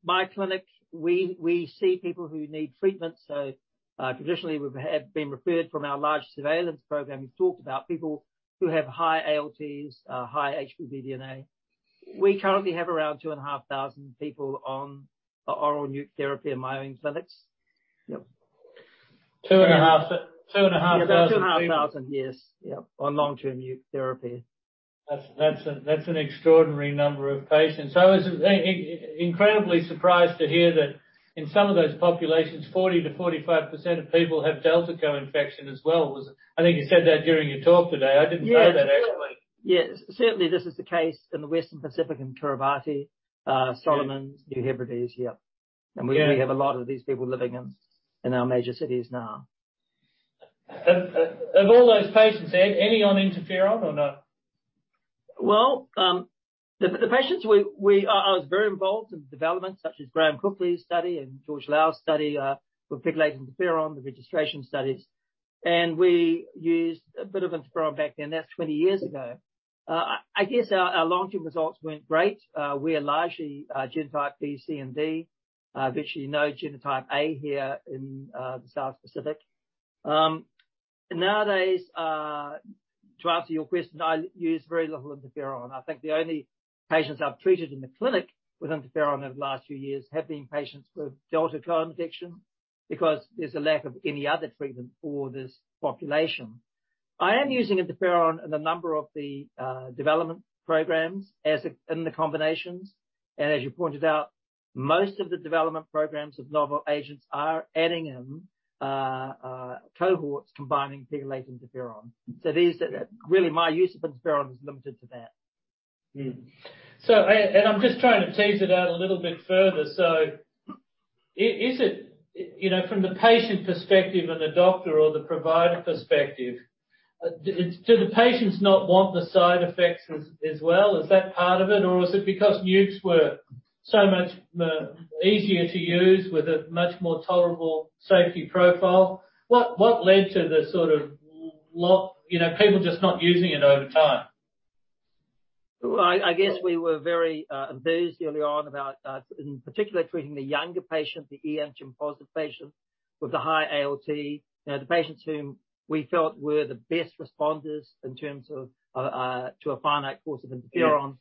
My clinic, we see people who need treatment, traditionally we've had been referred from our large surveillance program. We've talked about people who have high ALTs, high HBV DNA. We currently have around 2,500 people on the oral nuke therapy in my own clinics. Yep. 2,500 people. 2,500, yes. Yep. On long-term NUC therapy. That's an extraordinary number of patients. I was incredibly surprised to hear that in some of those populations, 40%-45% of people have delta co-infection as well. Was it? I think you said that during your talk today. I didn't know that, actually. Yes. Certainly, this is the case in the Western Pacific and Kiribati, Solomons, New Hebrides. Yeah. We have a lot of these people living in our major cities now. Of all those patients, Ed, any on interferon or no? Well, I was very involved in developments such as Graham Cooksley's study and George Lau's study with pegylated interferon, the registration studies. We used a bit of interferon back then. That's 20 years ago. I guess our long-term results weren't great. We are largely genotype B, C, and D. Virtually no genotype A here in the South Pacific. Nowadays, to answer your question, I use very little interferon. I think the only patients I've treated in the clinic with interferon over the last few years have been patients with delta co-infection because there's a lack of any other treatment for this population. I am using interferon in a number of the development programs as in the combinations. As you pointed out, most of the development programs of novel agents are adding in cohorts combining pegylated interferon. Really, my use of interferon is limited to that. I'm just trying to tease it out a little bit further. Is it, you know, from the patient perspective and the doctor or the provider perspective, do the patients not want the side effects as well? Is that part of it? Or is it because nukes were so much easier to use with a much more tolerable safety profile? What led to, you know, people just not using it over time? Well, I guess we were very enthused early on about in particular treating the younger patient, the e antigen-positive patient with a high ALT. You know, the patients whom we felt were the best responders in terms of to a finite course of interferon.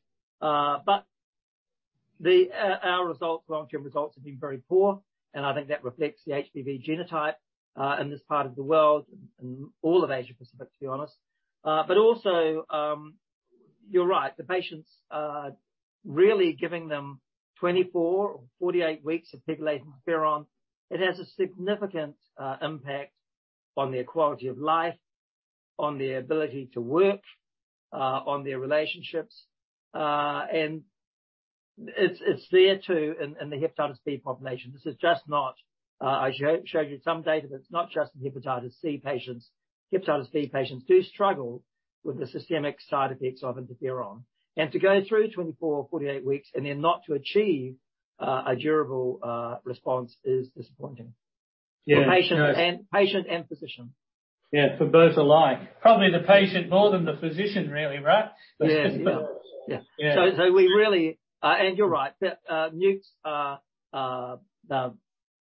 Our results, long-term results have been very poor, and I think that reflects the HBV genotype in this part of the world and all of Asia Pacific, to be honest. You're right. The patients are really given 24 or 48 weeks of pegylated interferon. It has a significant impact on their quality of life, on their ability to work, on their relationships. It's there too in the hepatitis B population. This is just not. I showed you some data, but it's not just in hepatitis C patients. Hepatitis B patients do struggle with the systemic side effects of interferon. To go through 24 or 48 weeks and then not to achieve a durable response is disappointing. Yeah. For the patient and physician. Yeah. For both alike. Probably the patient more than the physician, really, right? Yeah. Yeah. We are really and you're right. The nukes are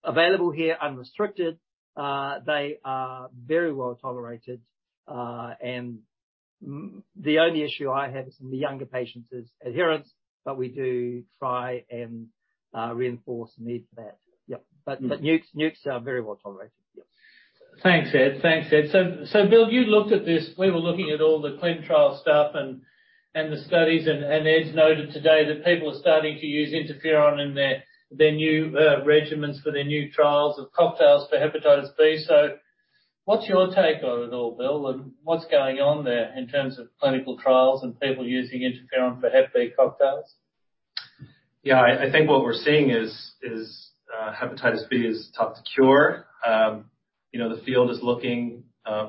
available here unrestricted. They are very well-tolerated. The only issue I have in the younger patients is adherence, but we do try and reinforce the need for that. Yep. NUCs are very well-tolerated. Thanks, Ed. Will, you looked at this. We were looking at all the clinical trial stuff and the studies, and Ed's noted today that people are starting to use interferon in their new regimens for their new trials of cocktails for hepatitis B. What's your take on it all, Will, and what's going on there in terms of clinical trials and people using interferon for hep B cocktails? Yeah. I think what we're seeing is hepatitis B is tough to cure. You know, the field is looking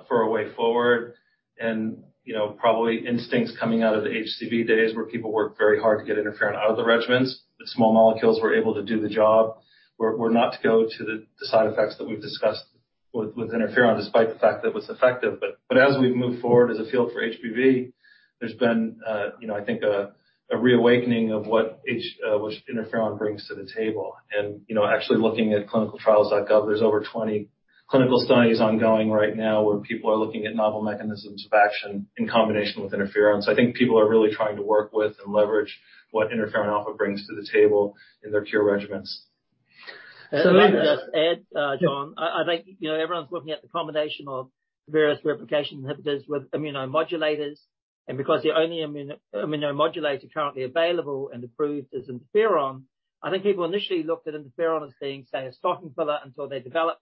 for a way forward and, you know, probably instincts coming out of the HCV days where people worked very hard to get interferon out of the regimens. The small molecules were able to do the job. We're not to go to the side effects that we've discussed with interferon, despite the fact that it was effective. As we've moved forward as a field for HBV, there's been, you know, I think a reawakening of what interferon brings to the table. You know, actually looking at ClinicalTrials.gov, there's over 20 clinical studies ongoing right now where people are looking at novel mechanisms of action in combination with interferons. I think people are really trying to work with and leverage what interferon alpha brings to the table in their cure regimens. If I may just add, John. Yeah. I think, you know, everyone's looking at the combination of various replication inhibitors with immunomodulators. Because the only immunomodulator currently available and approved is interferon, I think people initially looked at interferon as being, say, a stocking filler until they develop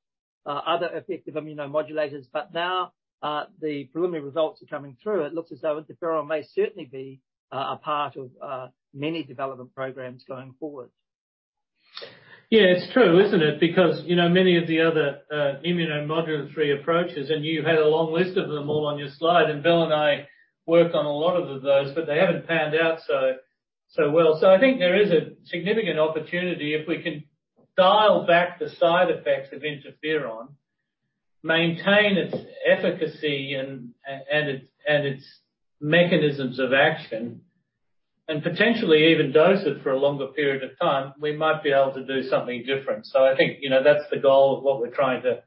other effective immunomodulators. Now, the preliminary results are coming through. It looks as though interferon may certainly be a part of many development programs going forward. Yeah. It's true, isn't it? Because, you know, many of the other immunomodulatory approaches, and you had a long list of them all on your slide, and Will and I worked on a lot of those, but they haven't panned out so well. I think there is a significant opportunity if we can dial back the side effects of interferon, maintain its efficacy and its mechanisms of action, and potentially even dose it for a longer period of time, we might be able to do something different. I think, you know, that's the goal of what we're trying to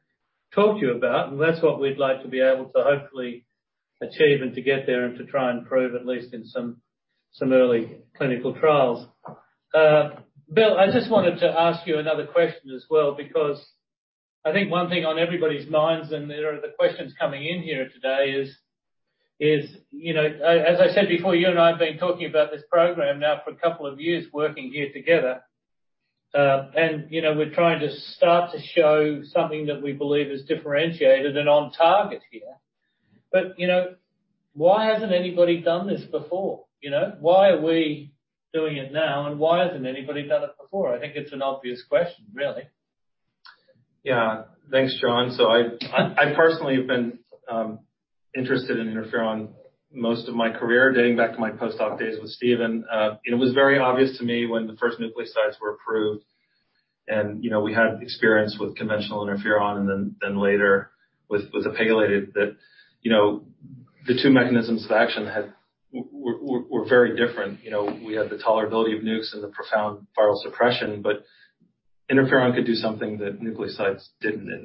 talk to you about, and that's what we'd like to be able to hopefully achieve and to get there and to try and prove at least in some early clinical trials. Will, I just wanted to ask you another question as well, because I think one thing on everybody's minds, and there are the questions coming in here today is, you know, as I said before, you and I have been talking about this program now for a couple of years, working here together. You know, we're trying to start to show something that we believe is differentiated and on target here. You know, why hasn't anybody done this before? You know? Why are we doing it now? Why hasn't anybody done it before? I think it's an obvious question, really. Yeah. Thanks, John. I personally have been interested in interferon most of my career, dating back to my postdoc days with Steven. It was very obvious to me when the first nucleosides were approved, and you know, we had experience with conventional interferon and then later with pegylated that, you know, the two mechanisms of action were very different. You know, we had the tolerability of nukes and the profound viral suppression, but interferon could do something that nucleosides didn't.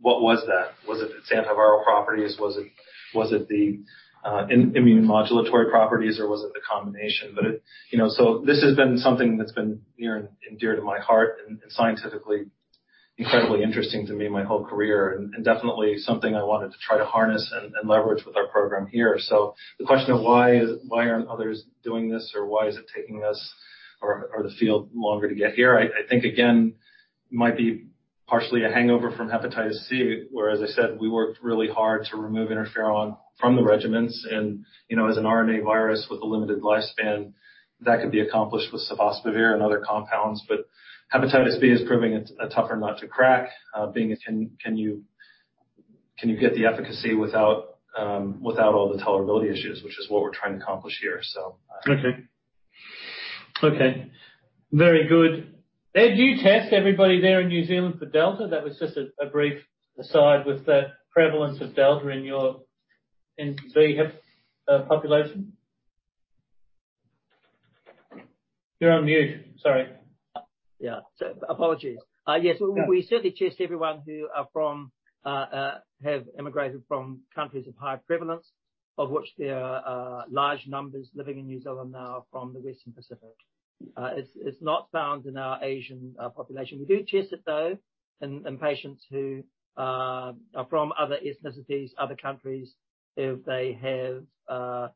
What was that? Was it its antiviral properties? Was it the immunomodulatory properties, or was it the combination? You know, this has been something that's been near and dear to my heart and scientifically incredibly interesting to me my whole career, and definitely something I wanted to try to harness and leverage with our program here. The question of why aren't others doing this or why is it taking us or the field longer to get here? I think, again, might be partially a hangover from hepatitis C, where, as I said, we worked really hard to remove interferon from the regimens and, you know, as an RNA virus with a limited lifespan that could be accomplished with sofosbuvir and other compounds. Hepatitis B is proving a tougher nut to crack, can you get the efficacy without all the tolerability issues, which is what we're trying to accomplish here. Okay, very good. Ed, do you test everybody there in New Zealand for Delta? That was just a brief aside with the prevalence of Delta in your B hep population. You're on mute, sorry. Yeah. Apologies. Yes. Yeah. We certainly test everyone who have emigrated from countries of high prevalence, of which there are large numbers living in New Zealand now from the Western Pacific. It's not found in our Asian population. We do test it though, in patients who are from other ethnicities, other countries, if they have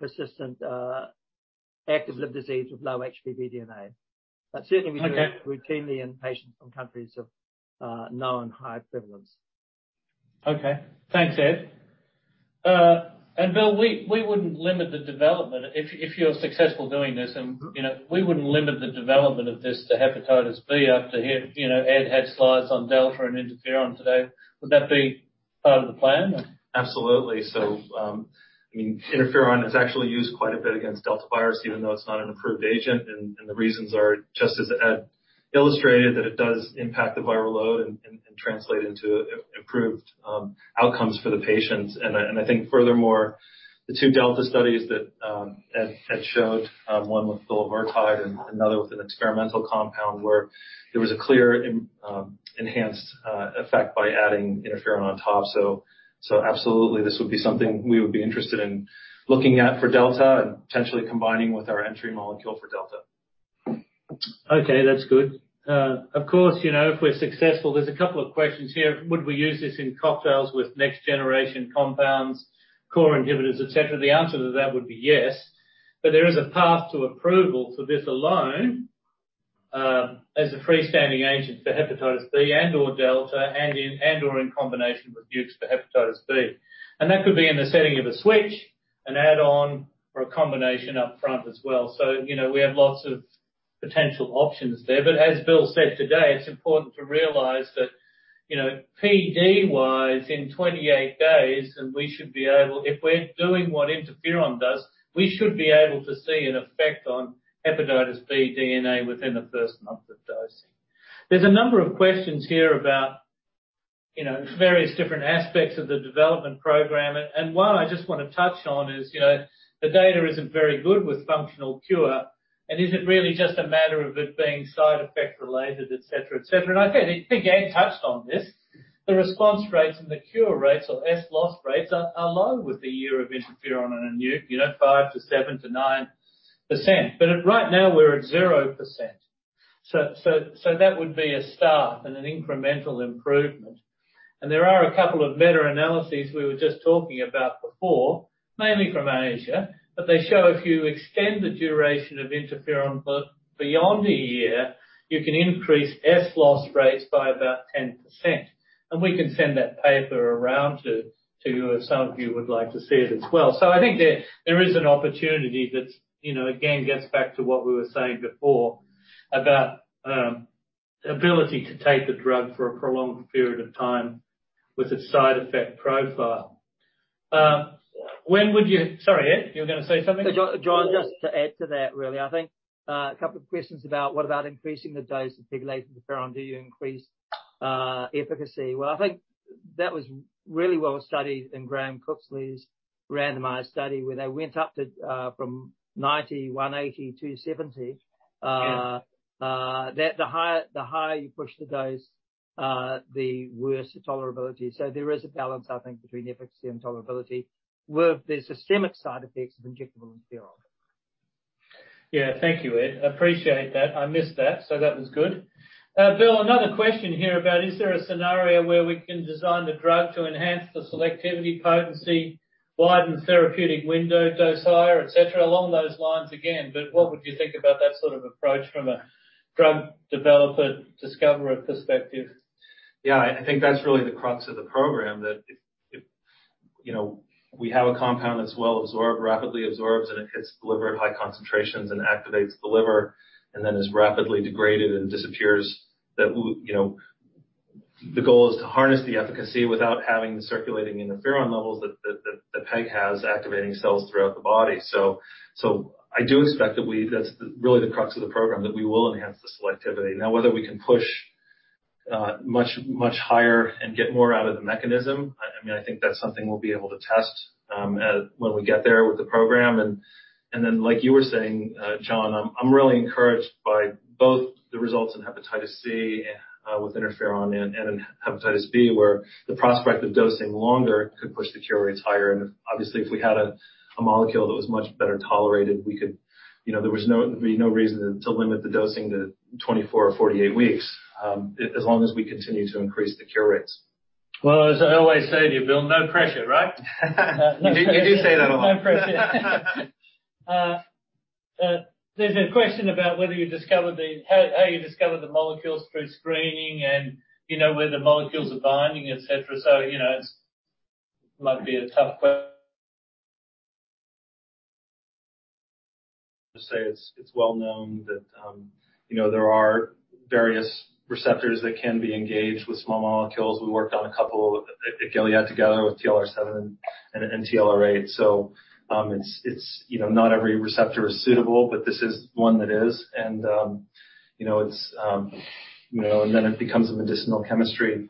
persistent active liver disease with low HBV DNA. Okay. Certainly we do it routinely in patients from countries of known high prevalence. Okay. Thanks, Ed. Will, we wouldn't limit the development if you're successful doing this and. You know, we wouldn't limit the development of this to hepatitis B. You know, Ed had slides on Delta and interferon today. Would that be part of the plan or? Absolutely. I mean, interferon is actually used quite a bit against Delta virus, even though it's not an approved agent. The reasons are just as Ed illustrated, that it does impact the viral load and translate into improved outcomes for the patients. I think furthermore, the two Delta studies that Ed showed, one with bulevirtide and another with an experimental compound where there was a clear enhanced effect by adding interferon on top. Absolutely, this would be something we would be interested in looking at for Delta and potentially combining with our entry molecule for Delta. Okay, that's good. Of course, you know, if we're successful, there's a couple of questions here. Would we use this in cocktails with next generation compounds, core inhibitors, et cetera? The answer to that would be yes. There is a path to approval for this alone, as a freestanding agent for hepatitis B and/or Delta and in, and/or in combination with NUCs for hepatitis B. That could be in the setting of a switch, an add-on or a combination up front as well. You know, we have lots of potential options there. As Will said today, it's important to realize that, you know, PD wise in 28 days and we should be able. If we're doing what interferon does, we should be able to see an effect on hepatitis B DNA within the first month of dosing. There's a number of questions here about, you know, various different aspects of the development program. One I just want to touch on is, you know, the data isn't very good with functional cure and is it really just a matter of it being side effect related, et cetera, et cetera. I think Ed touched on this. The response rates and the cure rates or S loss rates are low with the year of interferon and a NUC, you know, 5%-9%. Right now, we're at 0%. That would be a start and an incremental improvement. There are a couple of meta-analyses we were just talking about before, mainly from Asia, but they show if you extend the duration of interferon beyond a year, you can increase S loss rates by about 10%. We can send that paper around to some of you who would like to see it as well. I think there is an opportunity that, you know, again, gets back to what we were saying before about ability to take the drug for a prolonged period of time with its side effect profile. Sorry, Ed, you were going to say something? John, just to add to that really, I think, a couple of questions about what about increasing the dose of pegylated interferon? Do you increase efficacy? Well, I think that was really well studied in Graham Cooksley's randomized study where they went up to from 90, 180 to 70. The higher you push the dose, the worse the tolerability. There is a balance, I think, between efficacy and tolerability with the systemic side effects of injectable interferon. Yeah. Thank you, Ed. Appreciate that. I missed that, so that was good. Will, another question here about is there a scenario where we can design the drug to enhance the selectivity, potency, widen therapeutic window, dose higher, et cetera, along those lines again? What would you think about that sort of approach from a drug developer, discoverer perspective? Yeah. I think that's really the crux of the program, that if you know, we have a compound that's well-absorbed, rapidly absorbs, and it gets delivered high concentrations and activates the liver and then is rapidly degraded and disappears. You know, the goal is to harness the efficacy without having the circulating interferon levels that the peg has activating cells throughout the body. So, I do expect that that's really the crux of the program that we will enhance the selectivity. Now, whether we can push much higher and get more out of the mechanism, I mean, I think that's something we'll be able to test when we get there with the program. Then, like you were saying, John, I'm really encouraged by both the results in hepatitis C with interferon and in hepatitis B, where the prospect of dosing longer could push the cure rates higher. Obviously, if we had a molecule that was much better tolerated, we could, you know, there would be no reason to limit the dosing to 24 or 48 weeks, as long as we continue to increase the cure rates. Well, as I always say to you, Will, no pressure, right? You do say that a lot. No pressure. There's a question about whether you discovered how you discovered the molecules through screening and, you know, where the molecules are binding, et cetera. You know, it might be a tough question. Just say it's well known that, you know, there are various receptors that can be engaged with small molecules. We worked on a couple at Gilead together with TLR7 and TLR8. It's, you know, not every receptor is suitable, but this is one that is. You know, and then it becomes a medicinal chemistry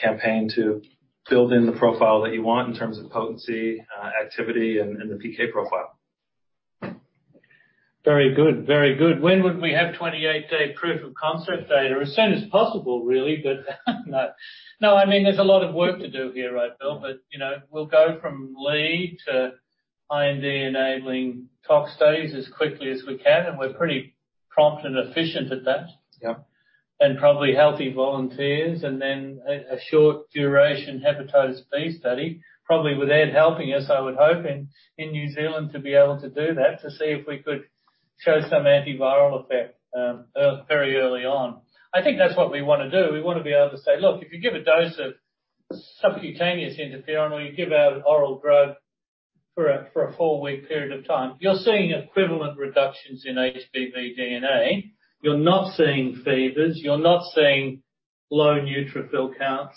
campaign to build in the profile that you want in terms of potency, activity and the PK profile. Very good. When would we have 28-day proof of concept data? As soon as possible, really, but no. I mean, there's a lot of work to do here, right, Will? You know, we'll go from lead to IND-enabling tox studies as quickly as we can, and we're pretty prompt and efficient at that. Yeah. Probably healthy volunteers, and then a short duration hepatitis B study, probably with Ed helping us, I would hope, in New Zealand to be able to do that, to see if we could show some antiviral effect, very early on. I think that's what we want to do. We want to be able to say, "Look, if you give a dose of subcutaneous interferon or you give our oral drug for a 4-week period of time, you're seeing equivalent reductions in HBV DNA. You're not seeing fevers, you're not seeing low neutrophil counts,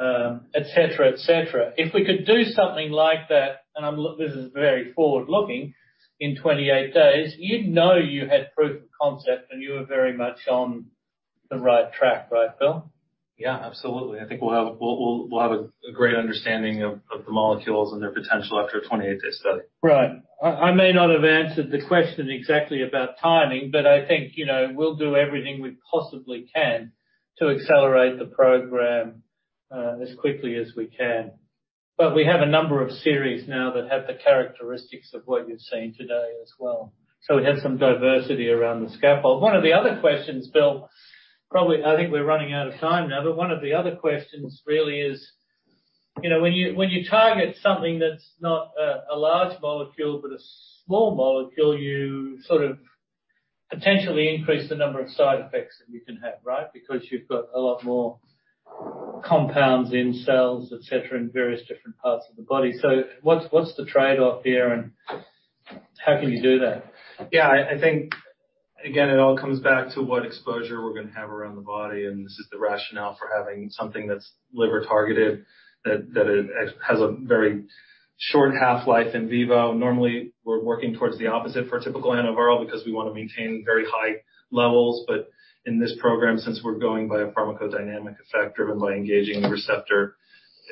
et cetera, et cetera." If we could do something like that, this is very forward-looking, in 28 days, you'd know you had proof of concept, and you were very much on the right track, right, Will? Yeah, absolutely. I think we'll have a great understanding of the molecules and their potential after a 28-day study. Right. I may not have answered the question exactly about timing, but I think, you know, we'll do everything we possibly can to accelerate the program as quickly as we can. We have a number of series now that have the characteristics of what you've seen today as well. We have some diversity around the scaffold. One of the other questions, Will, probably I think we're running out of time now, but one of the other questions really is, you know, when you target something that's not a large molecule, but a small molecule, you sort of potentially increase the number of side effects that you can have, right? Because you've got a lot more compounds in cells, et cetera, in various different parts of the body. What's the trade-off there and how can you do that? Yeah, I think, again, it all comes back to what exposure we're going to have around the body, and this is the rationale for having something that's liver-targeted, that it has a very short half-life in vivo. Normally, we're working towards the opposite for a typical antiviral because we want to maintain very high levels. But in this program, since we're going by a pharmacodynamic effect driven by engaging the receptor,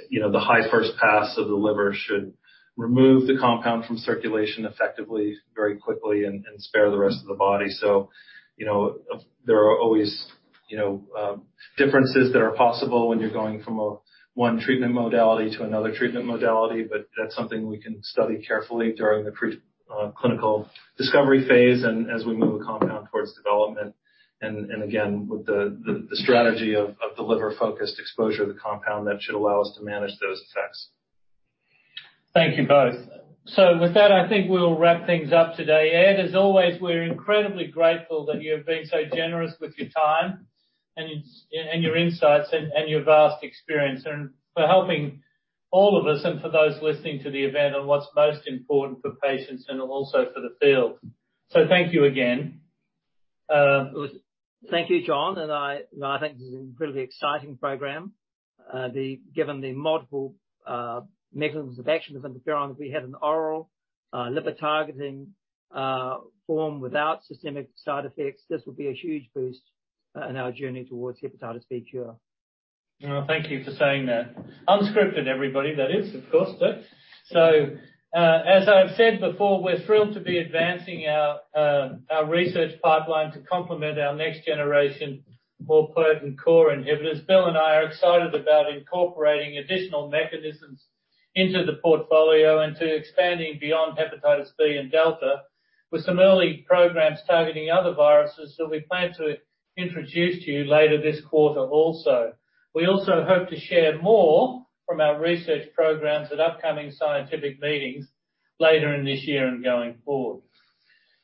you know, the high first pass of the liver should remove the compound from circulation effectively, very quickly and spare the rest of the body. So, you know, there are always, you know, differences that are possible when you're going from one treatment modality to another treatment modality, but that's something we can study carefully during the preclinical discovery phase and as we move a compound towards development. Again, with the strategy of the liver-focused exposure of the compound, that should allow us to manage those effects. Thank you both. With that, I think we'll wrap things up today. Ed, as always, we're incredibly grateful that you have been so generous with your time and your insights and your vast experience, and for helping all of us and for those listening to the event on what's most important for patients and also for the field. Thank you again. Thank you, John. I think this is an incredibly exciting program. Given the multiple mechanisms of action of interferons, if we had an oral liver targeting form without systemic side effects, this would be a huge boost in our journey towards hepatitis B cure. Well, thank you for saying that. Unscripted, everybody. That is, of course, though. As I've said before, we're thrilled to be advancing our research pipeline to complement our next generation, more potent core inhibitors. Will and I are excited about incorporating additional mechanisms into the portfolio and to expanding beyond hepatitis B and delta with some early programs targeting other viruses that we plan to introduce to you later this quarter also. We also hope to share more from our research programs at upcoming scientific meetings later in this year and going forward.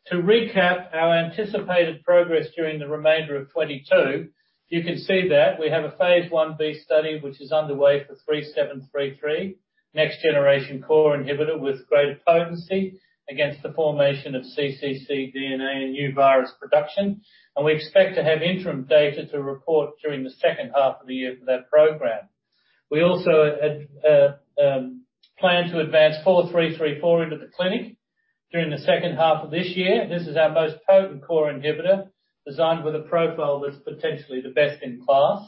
To recap our anticipated progress during the remainder of 2022, you can see that we have a phase 1b study, which is underway for ABI-H3733 next generation core inhibitor with greater potency against the formation of cccDNA and new virus production, and we expect to have interim data to report during the second half of the year for that program. We also plan to advance ABI-4334 into the clinic during the second half of this year. This is our most potent core inhibitor, designed with a profile that's potentially the best-in-class.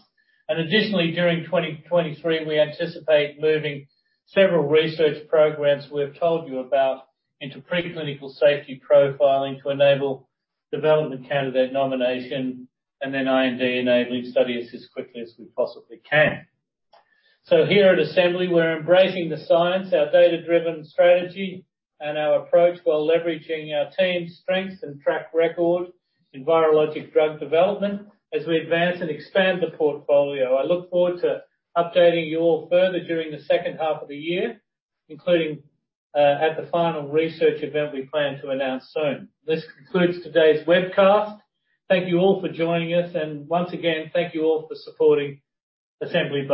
Additionally, during 2023, we anticipate moving several research programs we've told you about into preclinical safety profiling to enable development candidate nomination and then IND-enabling studies as quickly as we possibly can. Here at Assembly, we're embracing the science, our data-driven strategy and our approach, while leveraging our team's strengths and track record in virologic drug development as we advance and expand the portfolio. I look forward to updating you all further during the second half of the year, including at the final research event we plan to announce soon. This concludes today's webcast. Thank you all for joining us, and once again, thank you all for supporting Assembly Bio.